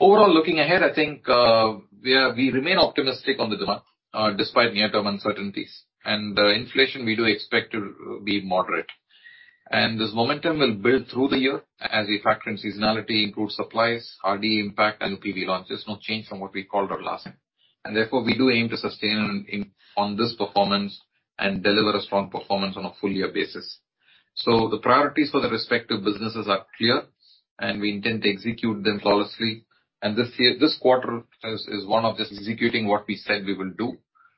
B: Overall, looking ahead, I think, we remain optimistic on the demand despite near-term uncertainties. Inflation we do expect to be moderate. This momentum will build through the year as we factor in seasonality, improved supplies, RD impact and PV launches, no change from what we called out last time. We do aim to sustain on this performance and deliver a strong performance on a full year basis. The priorities for the respective businesses are clear, we intend to execute them flawlessly. This year, this quarter is one of just executing what we said we will do,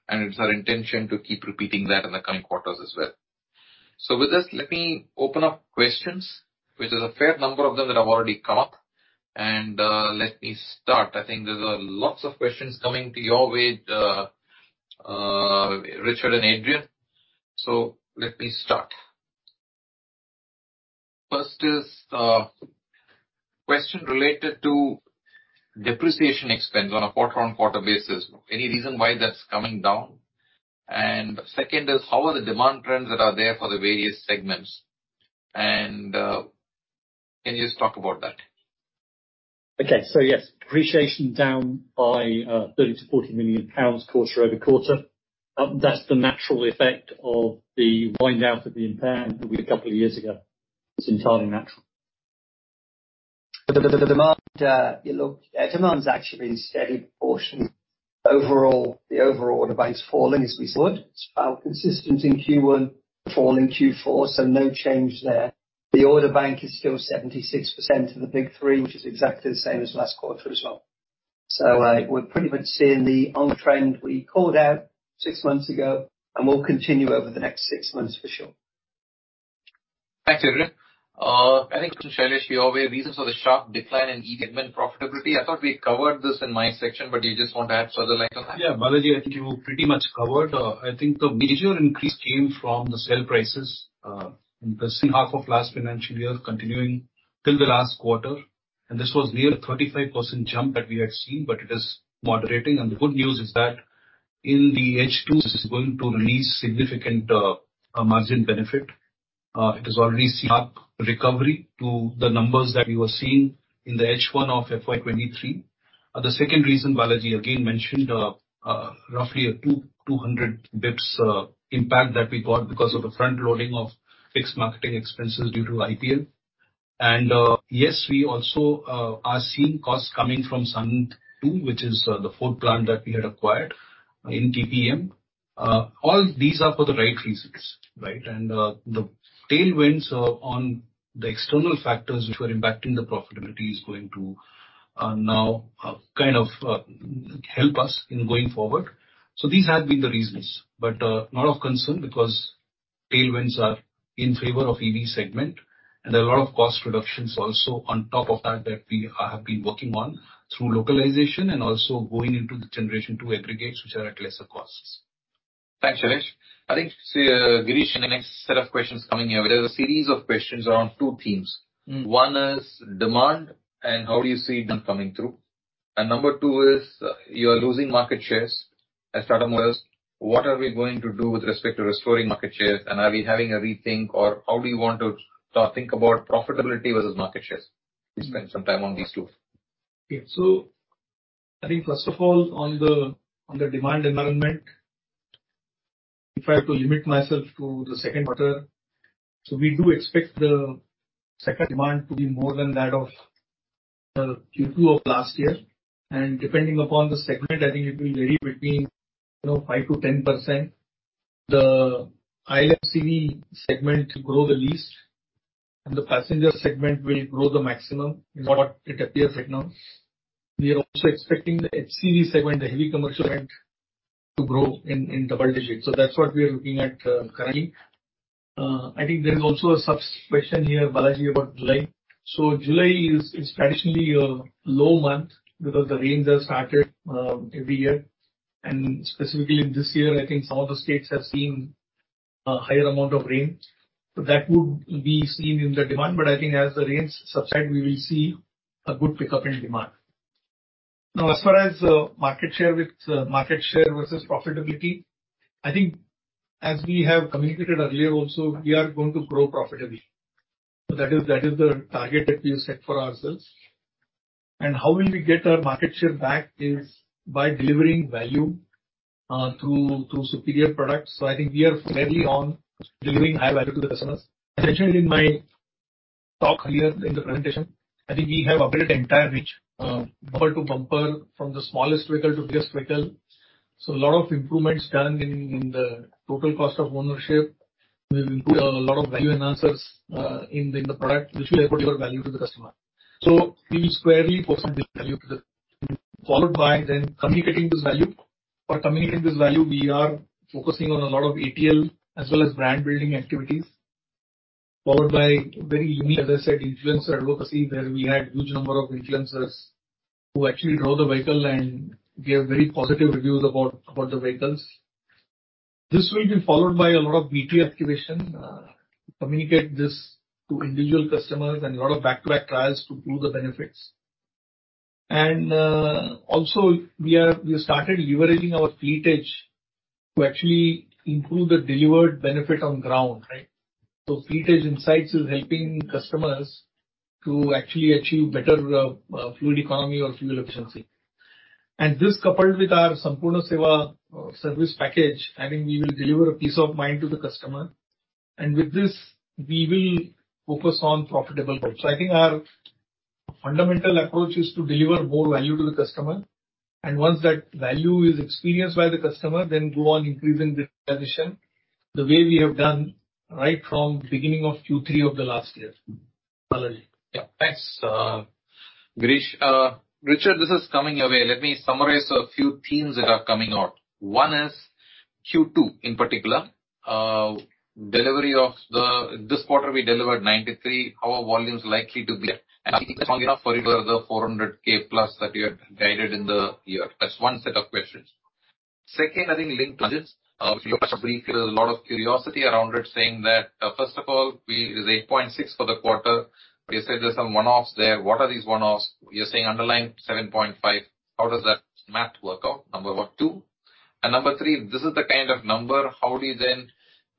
B: and it's our intention to keep repeating that in the coming quarters as well. With this, let me open up questions, which there's a fair number of them that have already come up. Let me start. I think there's lots of questions coming to your way, Richard and Adrian, so let me start. First is question related to depreciation expense on a quarter-on-quarter basis. Any reason why that's coming down? Second is, how are the demand trends that are there for the various segments? Can you just talk about that?
G: Yes, depreciation down by 30 million-40 million pounds quarter-over-quarter. That's the natural effect of the wind down of the impairment that we had a couple of years ago. It's entirely natural. The demand, look, demand's actually been steady proportion. Overall, the overall order bank's falling, as we said. It's about consistent in Q1, falling Q4, no change there. The order bank is still 76% of the big three, which is exactly the same as last quarter as well. We're pretty much seeing the on trend we called out six months ago, and we'll continue over the next six months for sure.
B: Thanks, Adrian. I think, Shailesh, your way, reasons for the sharp decline in EGM and profitability. I thought we covered this in my section, but you just want to add further light on that?
F: Yeah, Balaji, I think you pretty much covered. I think the major increase came from the sale prices, in the second half of last financial year, continuing till the last quarter. This was near a 35% jump that we had seen, but it is moderating. The good news is that in the H2, this is going to release significant a margin benefit. It is already sharp recovery to the numbers that you were seeing in the H1 of FY23. The second reason, Balaji again mentioned, roughly a 200 basis points impact that we got because of the front loading of fixed marketing expenses due to IPL. Yes, we also are seeing costs coming from Sanand-II, which is the fourth plant that we had acquired in TPEM. All these are for the right reasons, right? The tailwinds on the external factors which were impacting the profitability is going to now kind of help us in going forward. These have been the reasons, but not of concern because tailwinds are in favor of EV segment. There are a lot of cost reductions also on top of that we have been working on through localization and also going into the generation to aggregates, which are at lesser costs.
B: Thanks, Shailesh. I think, so, Girish, in the next set of questions coming here, there's a series of questions around two themes.
E: Mm.
B: One is demand, and how do you see demand coming through? Number two is, you are losing market shares as Tata Motors. What are we going to do with respect to restoring market shares? Are we having a rethink, or how do you want to start think about profitability versus market shares? Please spend some time on these two.
E: Yeah. I think first of all, on the, on the demand environment, if I have to limit myself to the second quarter, we do expect the second demand to be more than that of Q2 of last year. Depending upon the segment, I think it will vary between, you know, 5%-10%. The ILMCV segment to grow the least, and the passenger segment will grow the maximum, is what it appears right now. We are also expecting the HCV segment, the heavy commercial segment, to grow in double digits. That's what we are looking at currently. I think there is also a sub-question here, Balaji, about July. July is traditionally a low month because the rains have started every year, and specifically this year, I think some of the states have seen a higher amount of rain. That would be seen in the demand. I think as the rains subside, we will see a good pickup in demand. As far as market share with market share versus profitability, I think as we have communicated earlier also, we are going to grow profitably. That is the target that we have set for ourselves. How will we get our market share back is by delivering value through superior products. I think we are fairly on delivering high value to the customers. As I mentioned in my talk earlier in the presentation, I think we have upgraded entire reach bumper to bumper, from the smallest vehicle to biggest vehicle, so a lot of improvements done in the total cost of ownership. We've included a lot of value enhancers in the product, which will add more value to the customer. We will squarely focus this value. Followed by then communicating this value. For communicating this value, we are focusing on a lot of ATL, as well as brand building activities, followed by very unique, as I said, influencer advocacy, where we had huge number of influencers who actually drove the vehicle and gave very positive reviews about the vehicles. This will be followed by a lot of BTL activation to communicate this to individual customers and a lot of back-to-back trials to prove the benefits. Also we started leveraging our Fleet Edge to actually improve the delivered benefit on ground, right? Fleet Edge insights is helping customers to actually achieve better fuel economy or fuel efficiency. This, coupled with our Sampoorna Seva service package, I think we will deliver a peace of mind to the customer. With this, we will focus on profitable growth. I think our fundamental approach is to deliver more value to the customer, and once that value is experienced by the customer, then go on increasing the transition, the way we have done right from beginning of Q3 of the last year. Balaji.
B: Thanks, Girish. Richard, this is coming your way. Let me summarize a few themes that are coming out. One is Q2, in particular, this quarter we delivered 93. How are volumes likely to be? I think that's long enough for you to the 400K+ that you had guided in the year. That's one set of questions. Second, I think linked to margins. If you look brief, there's a lot of curiosity around it, saying that, first of all, It is 8.6 for the quarter. You said there's some one-offs there. What are these one-offs? You're saying underlying 7.5. How does that math work out? Number one. Two, and number three, this is the kind of number, how do you then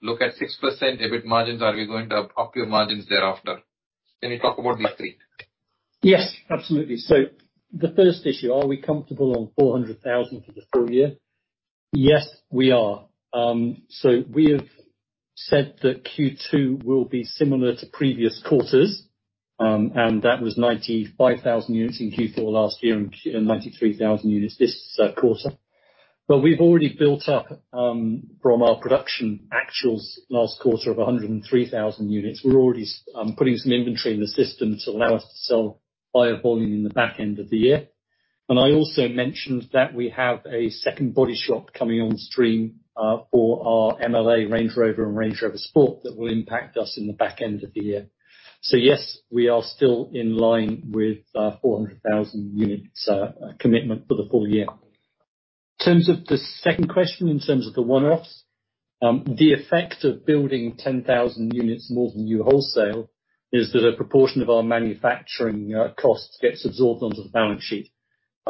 B: look at 6% EBIT margins? Are we going to up your margins thereafter? Can you talk about these three?
D: Yes, absolutely. The first issue, are we comfortable on 400,000 for the full year? Yes, we are. We have said that Q2 will be similar to previous quarters, and that was 95,000 units in Q4 last year, and 93,000 units this quarter. We've already built up from our production actuals last quarter of 103,000 units. We're already putting some inventory in the system to allow us to sell higher volume in the back end of the year. I also mentioned that we have a second body shop coming on stream for our MLA Range Rover and Range Rover Sport that will impact us in the back end of the year. Yes, we are still in line with 400,000 units commitment for the full year. In terms of the second question, in terms of the one-offs, the effect of building 10,000 units more than you wholesale, is that a proportion of our manufacturing costs gets absorbed onto the balance sheet.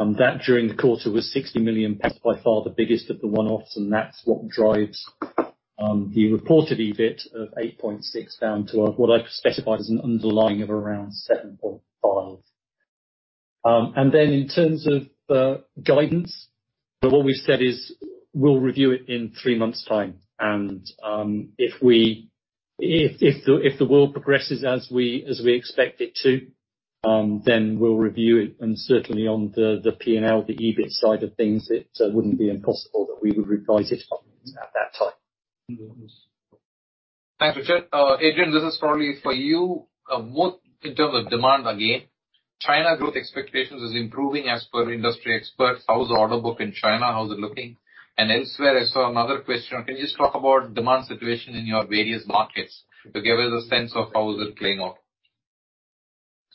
D: That during the quarter, was 60 million pounds, by far the biggest of the one-offs, and that's what drives the reported EBIT of 8.6 down to what I've specified as an underlying of around 7.5. In terms of guidance, what we've said is, we'll review it in 3 months' time. If the world progresses as we expect it to, then we'll review it, and certainly on the P&L, the EBIT side of things, it wouldn't be impossible that we would revise it up at that time.
B: Thanks, Richard. Adrian, this is probably for you. More in terms of demand, again, China growth expectations is improving as per industry experts. How's the order book in China, how's it looking? Elsewhere, I saw another question. Can you just talk about demand situation in your various markets, to give us a sense of how is it playing out?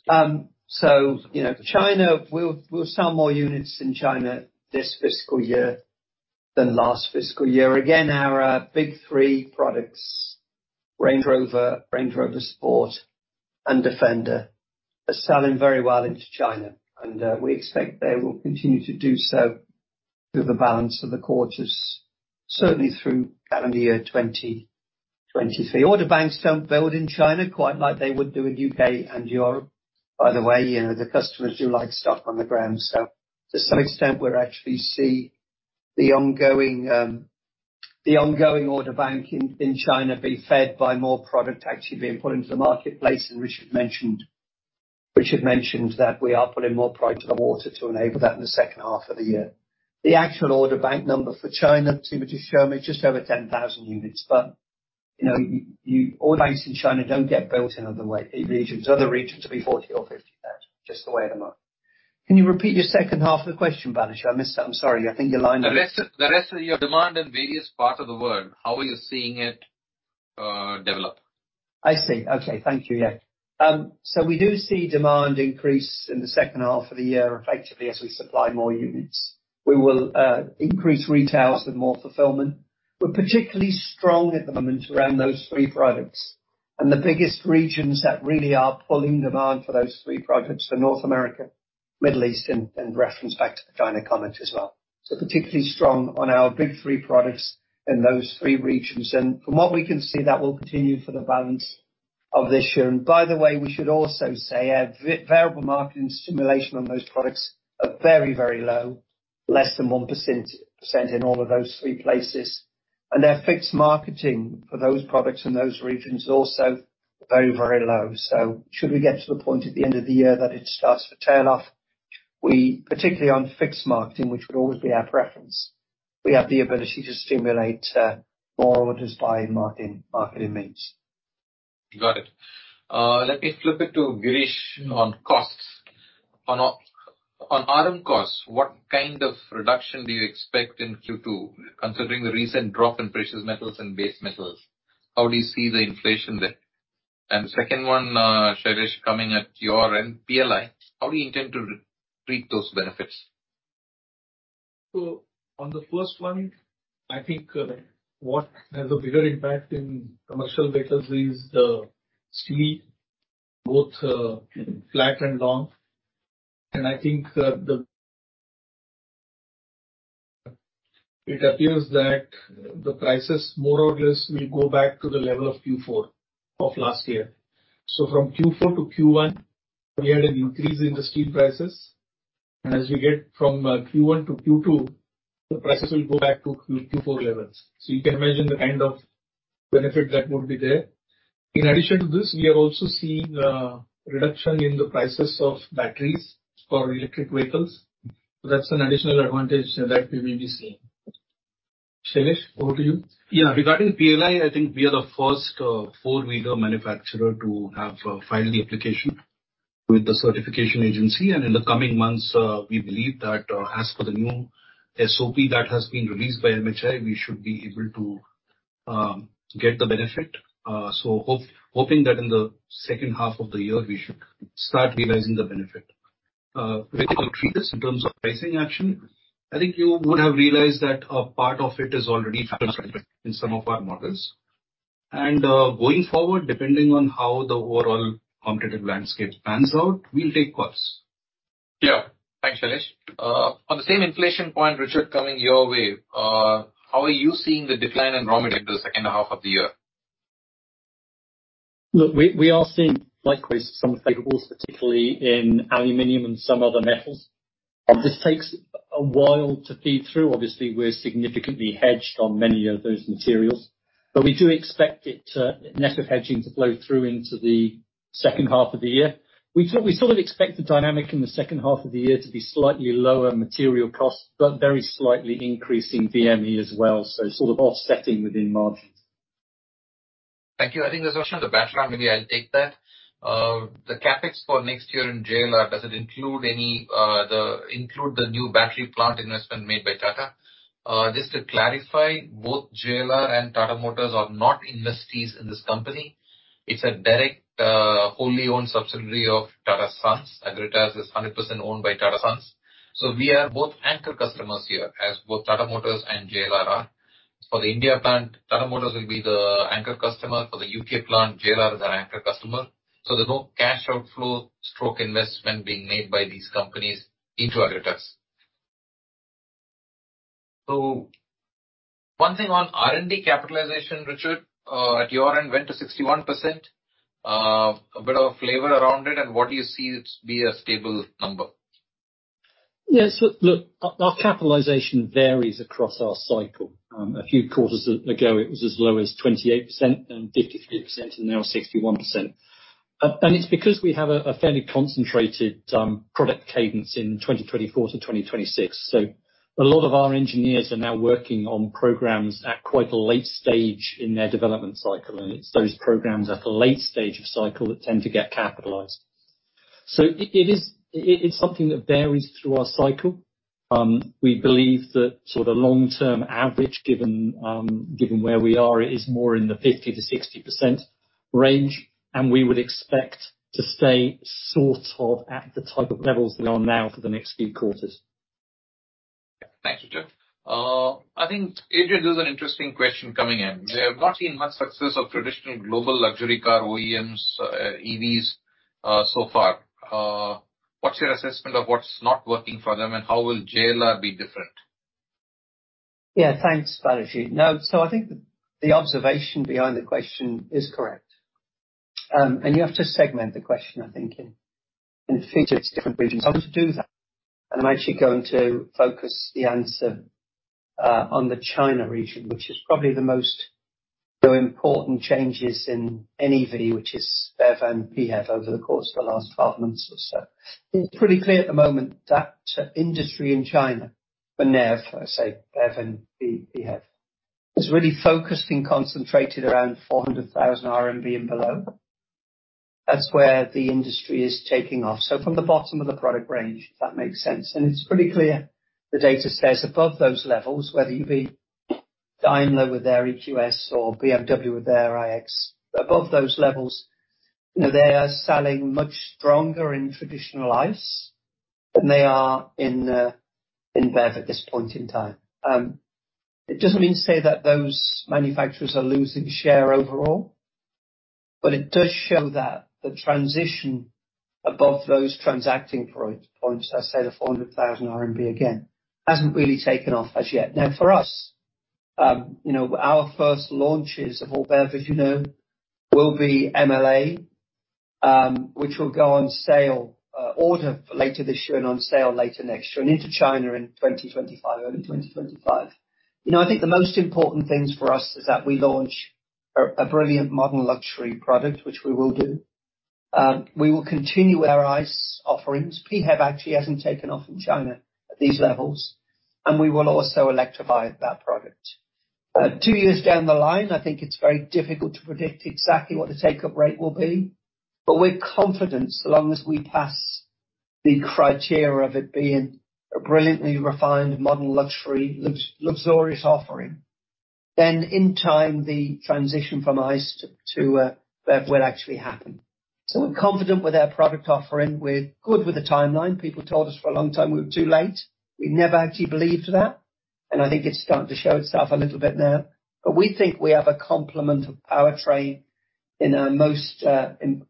G: You know, China, we'll sell more units in China this fiscal year than last fiscal year. Again, our big three products, Range Rover, Range Rover Sport, and Defender, are selling very well into China. We expect they will continue to do so through the balance of the quarters, certainly through calendar year 2023. Order banks don't build in China, quite like they would do in UK and Europe, by the way. You know, the customers do like stuff on the ground. To some extent, we're actually see the ongoing order bank in China be fed by more product actually being put into the marketplace. Richard mentioned that we are putting more product in the water to enable that in the second half of the year. The actual order bank number for China, Balaji, to show me, just over 10,000 units. You know, order banks in China don't get built in other way, regions. Other regions will be 40,000 or 50,000, just the way they are. Can you repeat your second half of the question, Balaji? I missed that. I'm sorry, I think your line was-
B: The rest of your demand in various parts of the world, how are you seeing it develop?
G: I see. Okay. Thank you. Yeah. We do see demand increase in the second half of the year, effectively, as we supply more units. We will increase retails with more fulfillment. We're particularly strong at the moment around those 3 products. The biggest regions that really are pulling demand for those 3 products are North America, Middle East, and reference back to the China comment as well. Particularly strong on our big 3 products in those 3 regions. From what we can see, that will continue for the balance of this year. By the way, we should also say, our variable marketing stimulation on those products are very, very low, less than 1% in all of those 3 places. Our fixed marketing for those products in those regions is also very, very low. Should we get to the point at the end of the year that it starts to tail off, we, particularly on fixed marketing, which would always be our preference, we have the ability to stimulate more orders by marketing means.
B: Got it. Let me flip it to Girish on costs. On RM costs, what kind of reduction do you expect in Q2, considering the recent drop in precious metals and base metals? How do you see the inflation there? The second one, Shailesh, coming at your end, PLI, how do you intend to reap those benefits?
E: On the first one, I think, what has a bigger impact in commercial vectors is the steel, both flat and long. I think, it appears that the prices, more or less, will go back to the level of Q4 of last year. From Q4 to Q1, we had an increase in the steel prices, and as we get from Q1 to Q2, the prices will go back to Q4 levels. You can imagine the kind of benefit that would be there. In addition to this, we are also seeing a reduction in the prices of batteries for electric vehicles. That's an additional advantage that we will be seeing.
B: Shailesh, over to you.
F: Yeah, regarding PLI, I think we are the first four-wheeler manufacturer to have filed the application with the certification agency. In the coming months, we believe that as for the new SOP that has been released by MHI, we should be able to get the benefit. Hoping that in the second half of the year we should start realizing the benefit. How we treat this in terms of pricing action, I think you would have realized that a part of it is already in some of our models. Going forward, depending on how the overall competitive landscape pans out, we'll take calls.
B: Yeah. Thanks, Shailesh. On the same inflation point, Richard, coming your way, how are you seeing the decline in raw materials in the second half of the year?
D: We are seeing likewise some favorables, particularly in aluminum and some other metals. This takes a while to feed through. Obviously, we're significantly hedged on many of those materials, but we do expect it to, net of hedging, to flow through into the second half of the year. We sort of expect the dynamic in the second half of the year to be slightly lower material costs, but very slightly increasing VME as well, so sort of offsetting within margins.
B: Thank you. I think there's a question on the background, maybe I'll take that. The CapEx for next year in JLR, does it include any, include the new battery plant investment made by Tata? Just to clarify, both JLR and Tata Motors are not investees in this company. It's a direct, wholly owned subsidiary of Tata Sons. Agratas is 100% owned by Tata Sons. We are both anchor customers here, as both Tata Motors and JLR are. For the India plant, Tata Motors will be the anchor customer. For the U.K. plant, JLR is our anchor customer, so there's no cash outflow/investment being made by these companies into Agratas. One thing on R&D capitalization, Richard, at your end, went to 61%. A bit of flavor around it, and what do you see it be a stable number?
D: Yes. Look, our capitalization varies across our cycle. A few quarters ago, it was as low as 28%, then 53%, and now 61%. It's because we have a fairly concentrated product cadence in 2024 to 2026. A lot of our engineers are now working on programs at quite a late stage in their development cycle, and it's those programs at a late stage of cycle that tend to get capitalized. It's something that varies through our cycle. We believe that sort of long-term average, given given where we are, is more in the 50%-60% range, and we would expect to stay sort of at the type of levels that are now for the next few quarters.
B: Thanks, Richard. I think, Adrian, there's an interesting question coming in. We have not seen much success of traditional global luxury car OEMs, EVs, so far. What's your assessment of what's not working for them, and how will JLR be different?
G: Thanks, Balaji. I think the observation behind the question is correct, and you have to segment the question, I think, in a few different regions. I want to do that, and I'm actually going to focus the answer on the China region, which is probably the most important changes in any EV, which is BEV and PHEV, over the course of the last 12 months or so. It's pretty clear at the moment that industry in China, for NEV, I say BEV and PHEV, is really focused and concentrated around 400,000 RMB and below. That's where the industry is taking off. From the bottom of the product range, if that makes sense. It's pretty clear, the data says above those levels, whether you be Daimler with their EQS or BMW with their iX, above those levels, you know, they are selling much stronger in traditional ICE than they are in BEV at this point in time. It doesn't mean to say that those manufacturers are losing share overall, but it does show that the transition above those transacting points, as I said, of 400,000 RMB, again, hasn't really taken off as yet. For us, you know, our first launches of all BEV, as you know, will be MLA, which will go on sale, order later this year and on sale later next year, and into China in 2025, early 2025. You know, I think the most important things for us is that we launch a brilliant modern luxury product, which we will do. We will continue our ICE offerings. PHEV actually hasn't taken off in China at these levels, and we will also electrify that product. Two years down the line, I think it's very difficult to predict exactly what the take-up rate will be, but we're confident, so long as we pass the criteria of it being a brilliantly refined, modern, luxury, luxurious offering, then in time, the transition from ICE to BEV will actually happen. We're confident with our product offering. We're good with the timeline. People told us for a long time we were too late. We never actually believed that, and I think it's starting to show itself a little bit now. We think we have a complement of powertrain in our most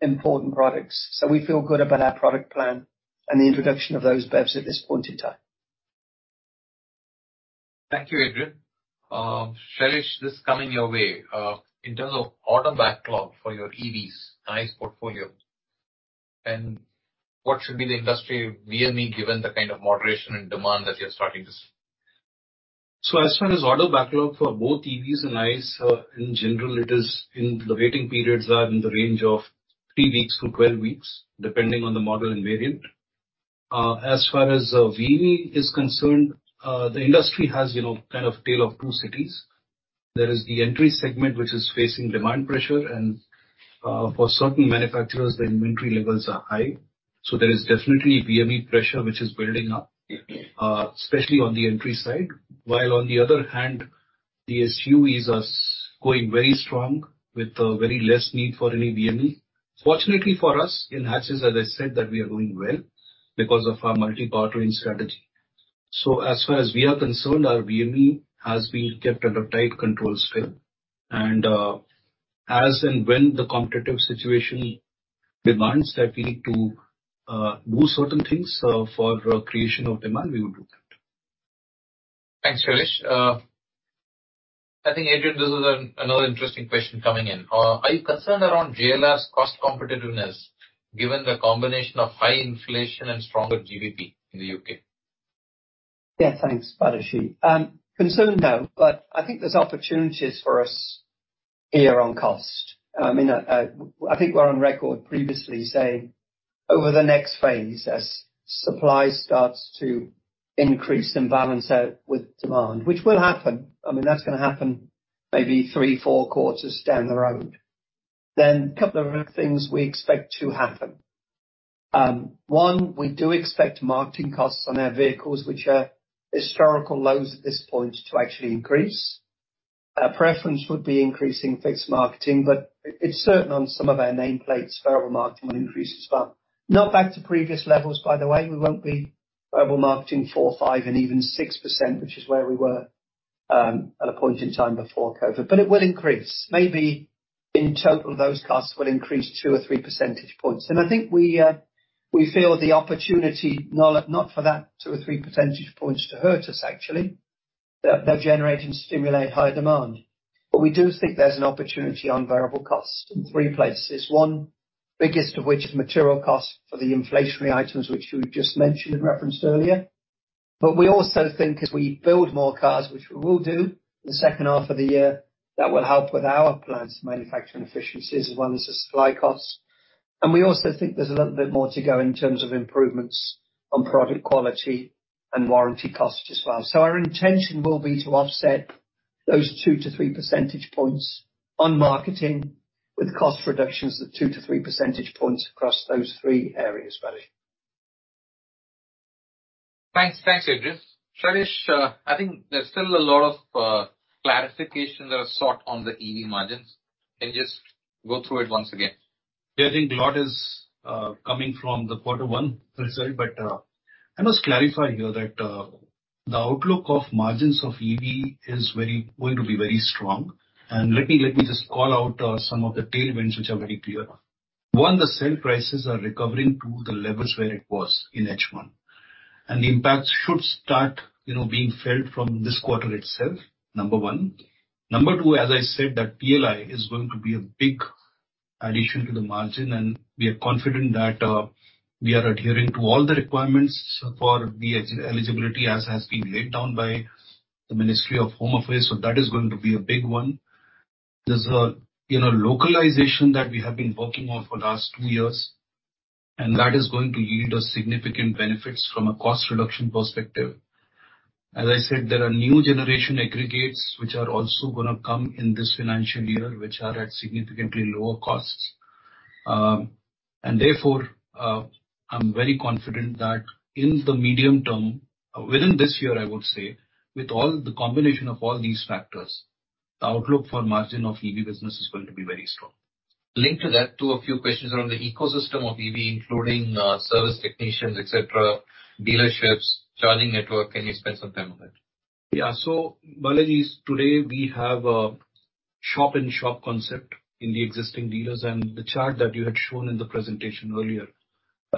G: important products, so we feel good about our product plan and the introduction of those BEVs at this point in time.
B: Thank you, Adrian. Shailesh, this coming your way. In terms of order backlog for your EVs, ICE portfolio, and what should be the industry VME, given the kind of moderation and demand that you're starting to see?
F: As far as order backlog for both EVs and ICE, in general, it is in. The waiting periods are in the range of 3 weeks to 12 weeks, depending on the model and variant. As far as VME is concerned, the industry has, you know, kind of tale of two cities. There is the entry segment, which is facing demand pressure, and for certain manufacturers, the inventory levels are high, so there is definitely VME pressure, which is building up, especially on the entry side. On the other hand, the SUVs are going very strong, with very less need for any VME. Fortunately for us, it matches, as I said, that we are doing well because of our multipower train strategy. As far as we are concerned, our VME has been kept under tight control, still, and as and when the competitive situation demands that we need to do certain things for creation of demand, we will do that.
B: Thanks, Shailesh. I think, Adrian, this is another interesting question coming in. Are you concerned around JLR's cost competitiveness, given the combination of high inflation and stronger GBP in the UK?
G: Yeah, thanks, Balaji. concerned, no, but I think there's opportunities for us here on cost. I mean, I think we're on record previously saying, over the next phase, as supply starts to increase and balance out with demand, which will happen, I mean, that's gonna happen maybe 3, 4 quarters down the road, then a couple of things we expect to happen. One, we do expect marketing costs on our vehicles, which are historical lows at this point, to actually increase. Our preference would be increasing fixed marketing, but it's certain on some of our nameplates, variable marketing will increase as well. Not back to previous levels, by the way, we won't be variable marketing 4%, 5% and even 6%, which is where we were, at a point in time before COVID. It will increase. Maybe in total, those costs will increase two or three percentage points. I think we feel the opportunity, not for that two or three percentage points to hurt us, actually. They'll generate and stimulate higher demand. We do think there's an opportunity on variable costs in three places. One, biggest of which, material costs for the inflationary items, which you just mentioned and referenced earlier. We also think as we build more cars, which we will do in the second half of the year, that will help with our plans for manufacturing efficiencies, as well as the supply costs. We also think there's a little bit more to go in terms of improvements on product quality and warranty costs as well. Our intention will be to offset those 2-3 percentage points on marketing, with cost reductions of 2-3 percentage points across those 3 areas, Balaji.
B: Thanks. Thanks, Adrian. Shailesh, I think there's still a lot of clarification that are sought on the EV margins. Can you just go through it once again?
F: Yeah, I think a lot is coming from the quarter one result, but I must clarify here that the outlook of margins of EV is going to be very strong. Let me just call out some of the tailwinds, which are very clear. One, the sale prices are recovering to the levels where it was in H1, and the impact should start, you know, being felt from this quarter itself, number one. Number two, as I said, that PLI is going to be a big addition to the margin, and we are confident that we are adhering to all the requirements for the eligibility as has been laid down by the Ministry of Home Affairs. That is going to be a big one. There's a, you know, localization that we have been working on for the last 2 years, and that is going to yield us significant benefits from a cost reduction perspective. As I said, there are new generation aggregates, which are also going to come in this financial year, which are at significantly lower costs. Therefore, I'm very confident that in the medium term, within this year, I would say, with all the combination of all these factors, the outlook for margin of EV business is going to be very strong.
B: Linked to that, to a few questions around the ecosystem of EV, including service technicians, et cetera, dealerships, charging network. Can you spend some time on that?
F: Balaji, today we have a shop-in-shop concept in the existing dealers, and the chart that you had shown in the presentation earlier,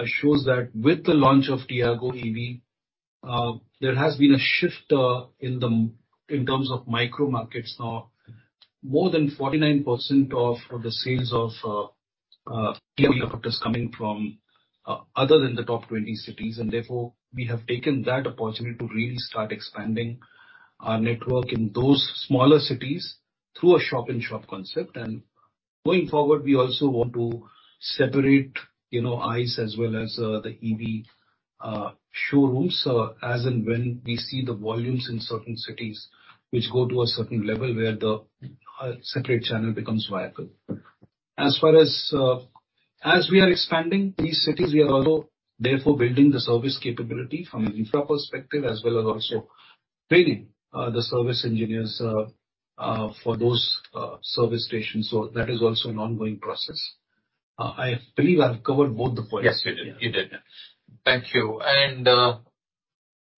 F: shows that with the launch of Tiago EV, there has been a shift in the, in terms of micro markets. Now, more than 49% of the sales of EV products coming from other than the top 20 cities, and therefore we have taken that opportunity to really start expanding our network in those smaller cities through a shop-in-shop concept. Going forward, we also want to separate, you know, ICE as well as the EV showrooms. As and when we see the volumes in certain cities, which go to a certain level where the separate channel becomes viable. As far as we are expanding these cities, we are also therefore building the service capability from an infra perspective, as well as also training the service engineers for those service stations. That is also an ongoing process. I believe I've covered both the points.
B: Yes, you did. You did.
F: Yeah.
B: Thank you.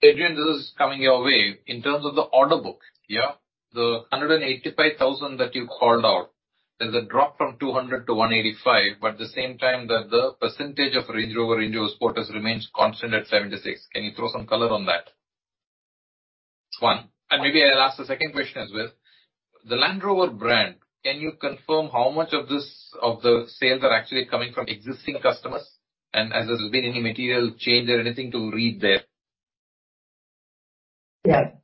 B: Adrian, this is coming your way. In terms of the order book.
G: Yeah.
B: the 185,000 that you called out, there's a drop from 200 to 185, but at the same time, the percentage of Range Rover, Range Rover Sport has remained constant at 76%. Can you throw some color on that? One. Maybe I'll ask the second question as well. The Land Rover brand, can you confirm how much of this, of the sales are actually coming from existing customers? Has there been any material change or anything to read there?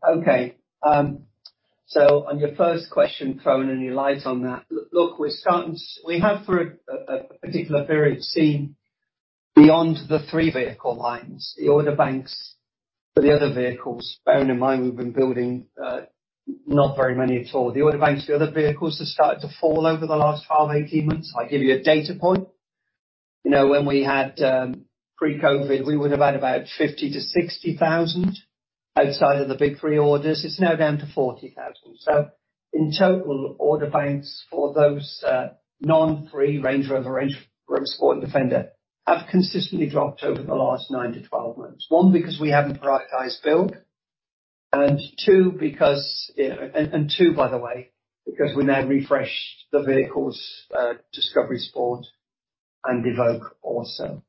G: Okay. On your first question, throwing any light on that, look, we're starting to. We have, for a particular period, seen beyond the three vehicle lines, the order banks for the other vehicles. Bearing in mind, we've been building not very many at all. The order banks for the other vehicles have started to fall over the last 12, 18 months. I'll give you a data point. You know, when we had pre-COVID, we would have had about 50,000 to 60,000 outside of the big three orders. It's now down to 40,000. In total, order banks for those non-three Range Rover, Range Rover Sport and Defender, have consistently dropped over the last 9 to 12 months. One, because we haven't prioritized build, and two, because. 2, by the way, because we now refresh the vehicles, Discovery Sport and Evoque also.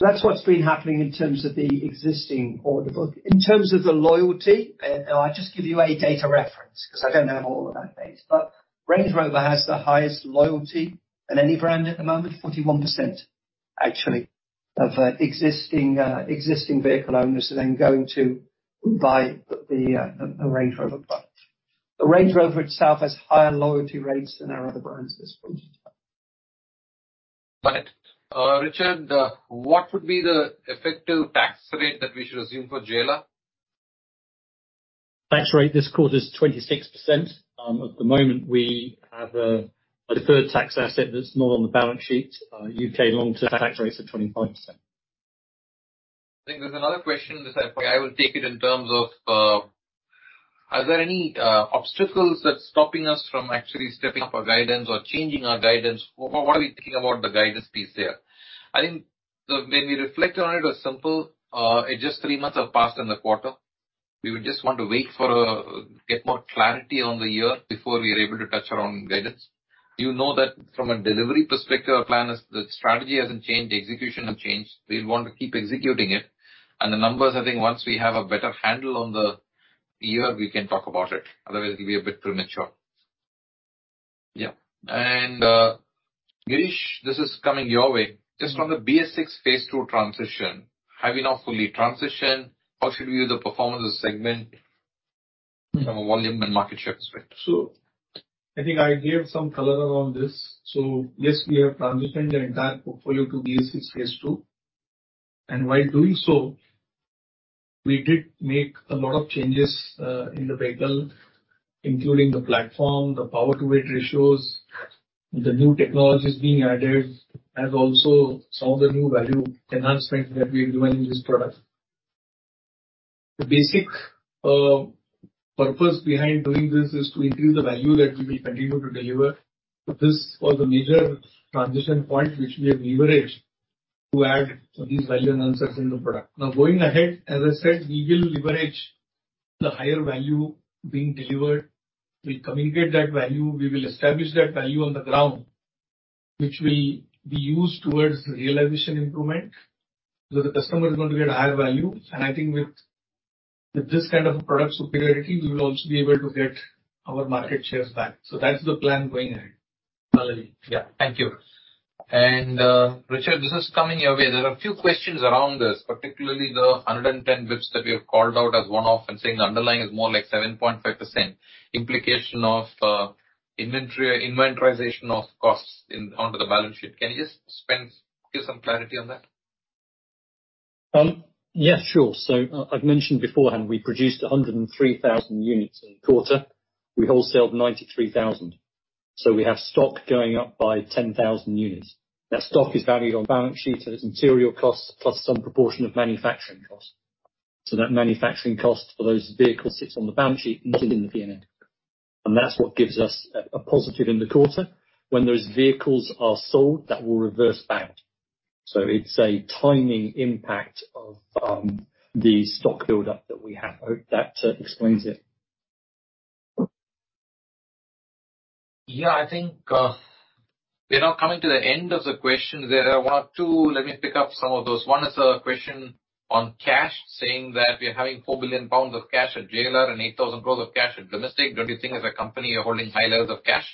G: That's what's been happening in terms of the existing order book. In terms of the loyalty, I'll just give you a data reference, because I don't have all of that base, but Range Rover has the highest loyalty of any brand at the moment, 41%, actually, of existing vehicle owners are then going to buy the Range Rover product. The Range Rover itself has higher loyalty rates than our other brands at this point in time.
B: Got it. Richard, what would be the effective tax rate that we should assume for JLR?
D: Tax rate this quarter is 26%. At the moment, we have a deferred tax asset that's not on the balance sheet. UK long-term tax rates are 25%.
B: I think there's another question, that I will take it in terms of, are there any obstacles that's stopping us from actually stepping up our guidance or changing our guidance? What are we thinking about the guidance piece there? I think, the way we reflect on it was simple. It just three months have passed in the quarter. We would just want to wait for, get more clarity on the year before we are able to touch around guidance. You know that from a delivery perspective, our plan is the strategy hasn't changed, the execution hasn't changed. We want to keep executing it, and the numbers, I think once we have a better handle on the year, we can talk about it. Otherwise, it'll be a bit premature. Yeah. Girish, this is coming your way. Just from the BS6 Phase 2 transition, have you now fully transitioned? How should we view the performance of the segment from a volume and market share perspective?
E: I think I gave some color around this. Yes, we have transitioned the entire portfolio to BS6 Phase 2, and while doing so, we did make a lot of changes in the vehicle, including the platform, the power-to-weight ratios, the new technologies being added, and also some of the new value enhancements that we're doing in this product. The basic purpose behind doing this is to increase the value that we will continue to deliver. This was a major transition point, which we have leveraged to add these value enhancements in the product. Going ahead, as I said, we will leverage the higher value being delivered. We'll communicate that value, we will establish that value on the ground, which will be used towards realization improvement. The customer is going to get higher value, and I think with this kind of product superiority, we will also be able to get our market shares back. That's the plan going ahead.
B: Got it. Yeah. Thank you. Richard, this is coming your way. There are a few questions around this, particularly the 110 basis points that you have called out as one-off, and saying the underlying is more like 7.5%, implication of inventarization of costs onto the balance sheet. Can you just give some clarity on that?
D: Yeah, sure. I've mentioned beforehand, we produced 103,000 units in the quarter. We wholesaled 93,000, so we have stock going up by 10,000 units. That stock is valued on balance sheet as material costs, plus some proportion of manufacturing cost. That manufacturing cost for those vehicles sits on the balance sheet, including the PNL. That's what gives us a positive in the quarter. When those vehicles are sold, that will reverse back. It's a tiny impact of the stock build-up that we have. I hope that explains it.
B: Yeah, I think, we're now coming to the end of the questions. There are about two. Let me pick up some of those. One is a question on cash, saying that we are having 4 billion pounds of cash at JLR and 8,000 crore of cash at domestic. Don't you think as a company, you're holding high levels of cash?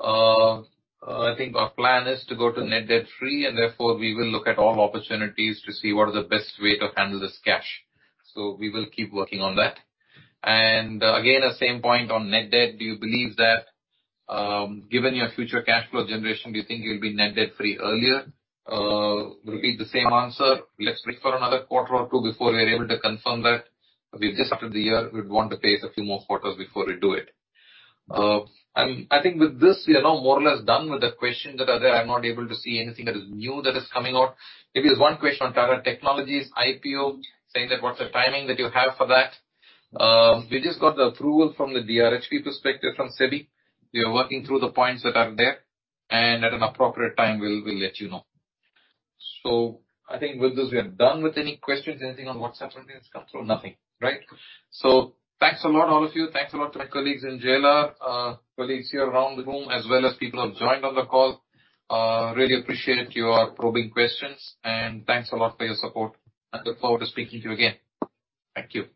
B: I think our plan is to go to net debt-free, therefore, we will look at all opportunities to see what is the best way to handle this cash. We will keep working on that. Again, the same point on net debt, do you believe that, given your future cash flow generation, do you think you'll be net debt-free earlier? Will be the same answer. Let's wait for another quarter or two before we are able to confirm that. We've just started the year, we'd want to pace a few more quarters before we do it. I think with this, we are now more or less done with the questions that are there. I'm not able to see anything that is new that is coming out. Maybe there's one question on Tata Technologies IPO, saying that, what's the timing that you have for that? We just got the approval from the DRHP perspective from SEBI. We are working through the points that are there, at an appropriate time, we'll let you know. I think with this, we are done with any questions. Anything on WhatsApp has come through? Nothing, right? Thanks a lot, all of you. Thanks a lot to my colleagues in JLR, colleagues here around the room, as well as people who have joined on the call. Really appreciate your probing questions, and thanks a lot for your support. I look forward to speaking to you again. Thank you.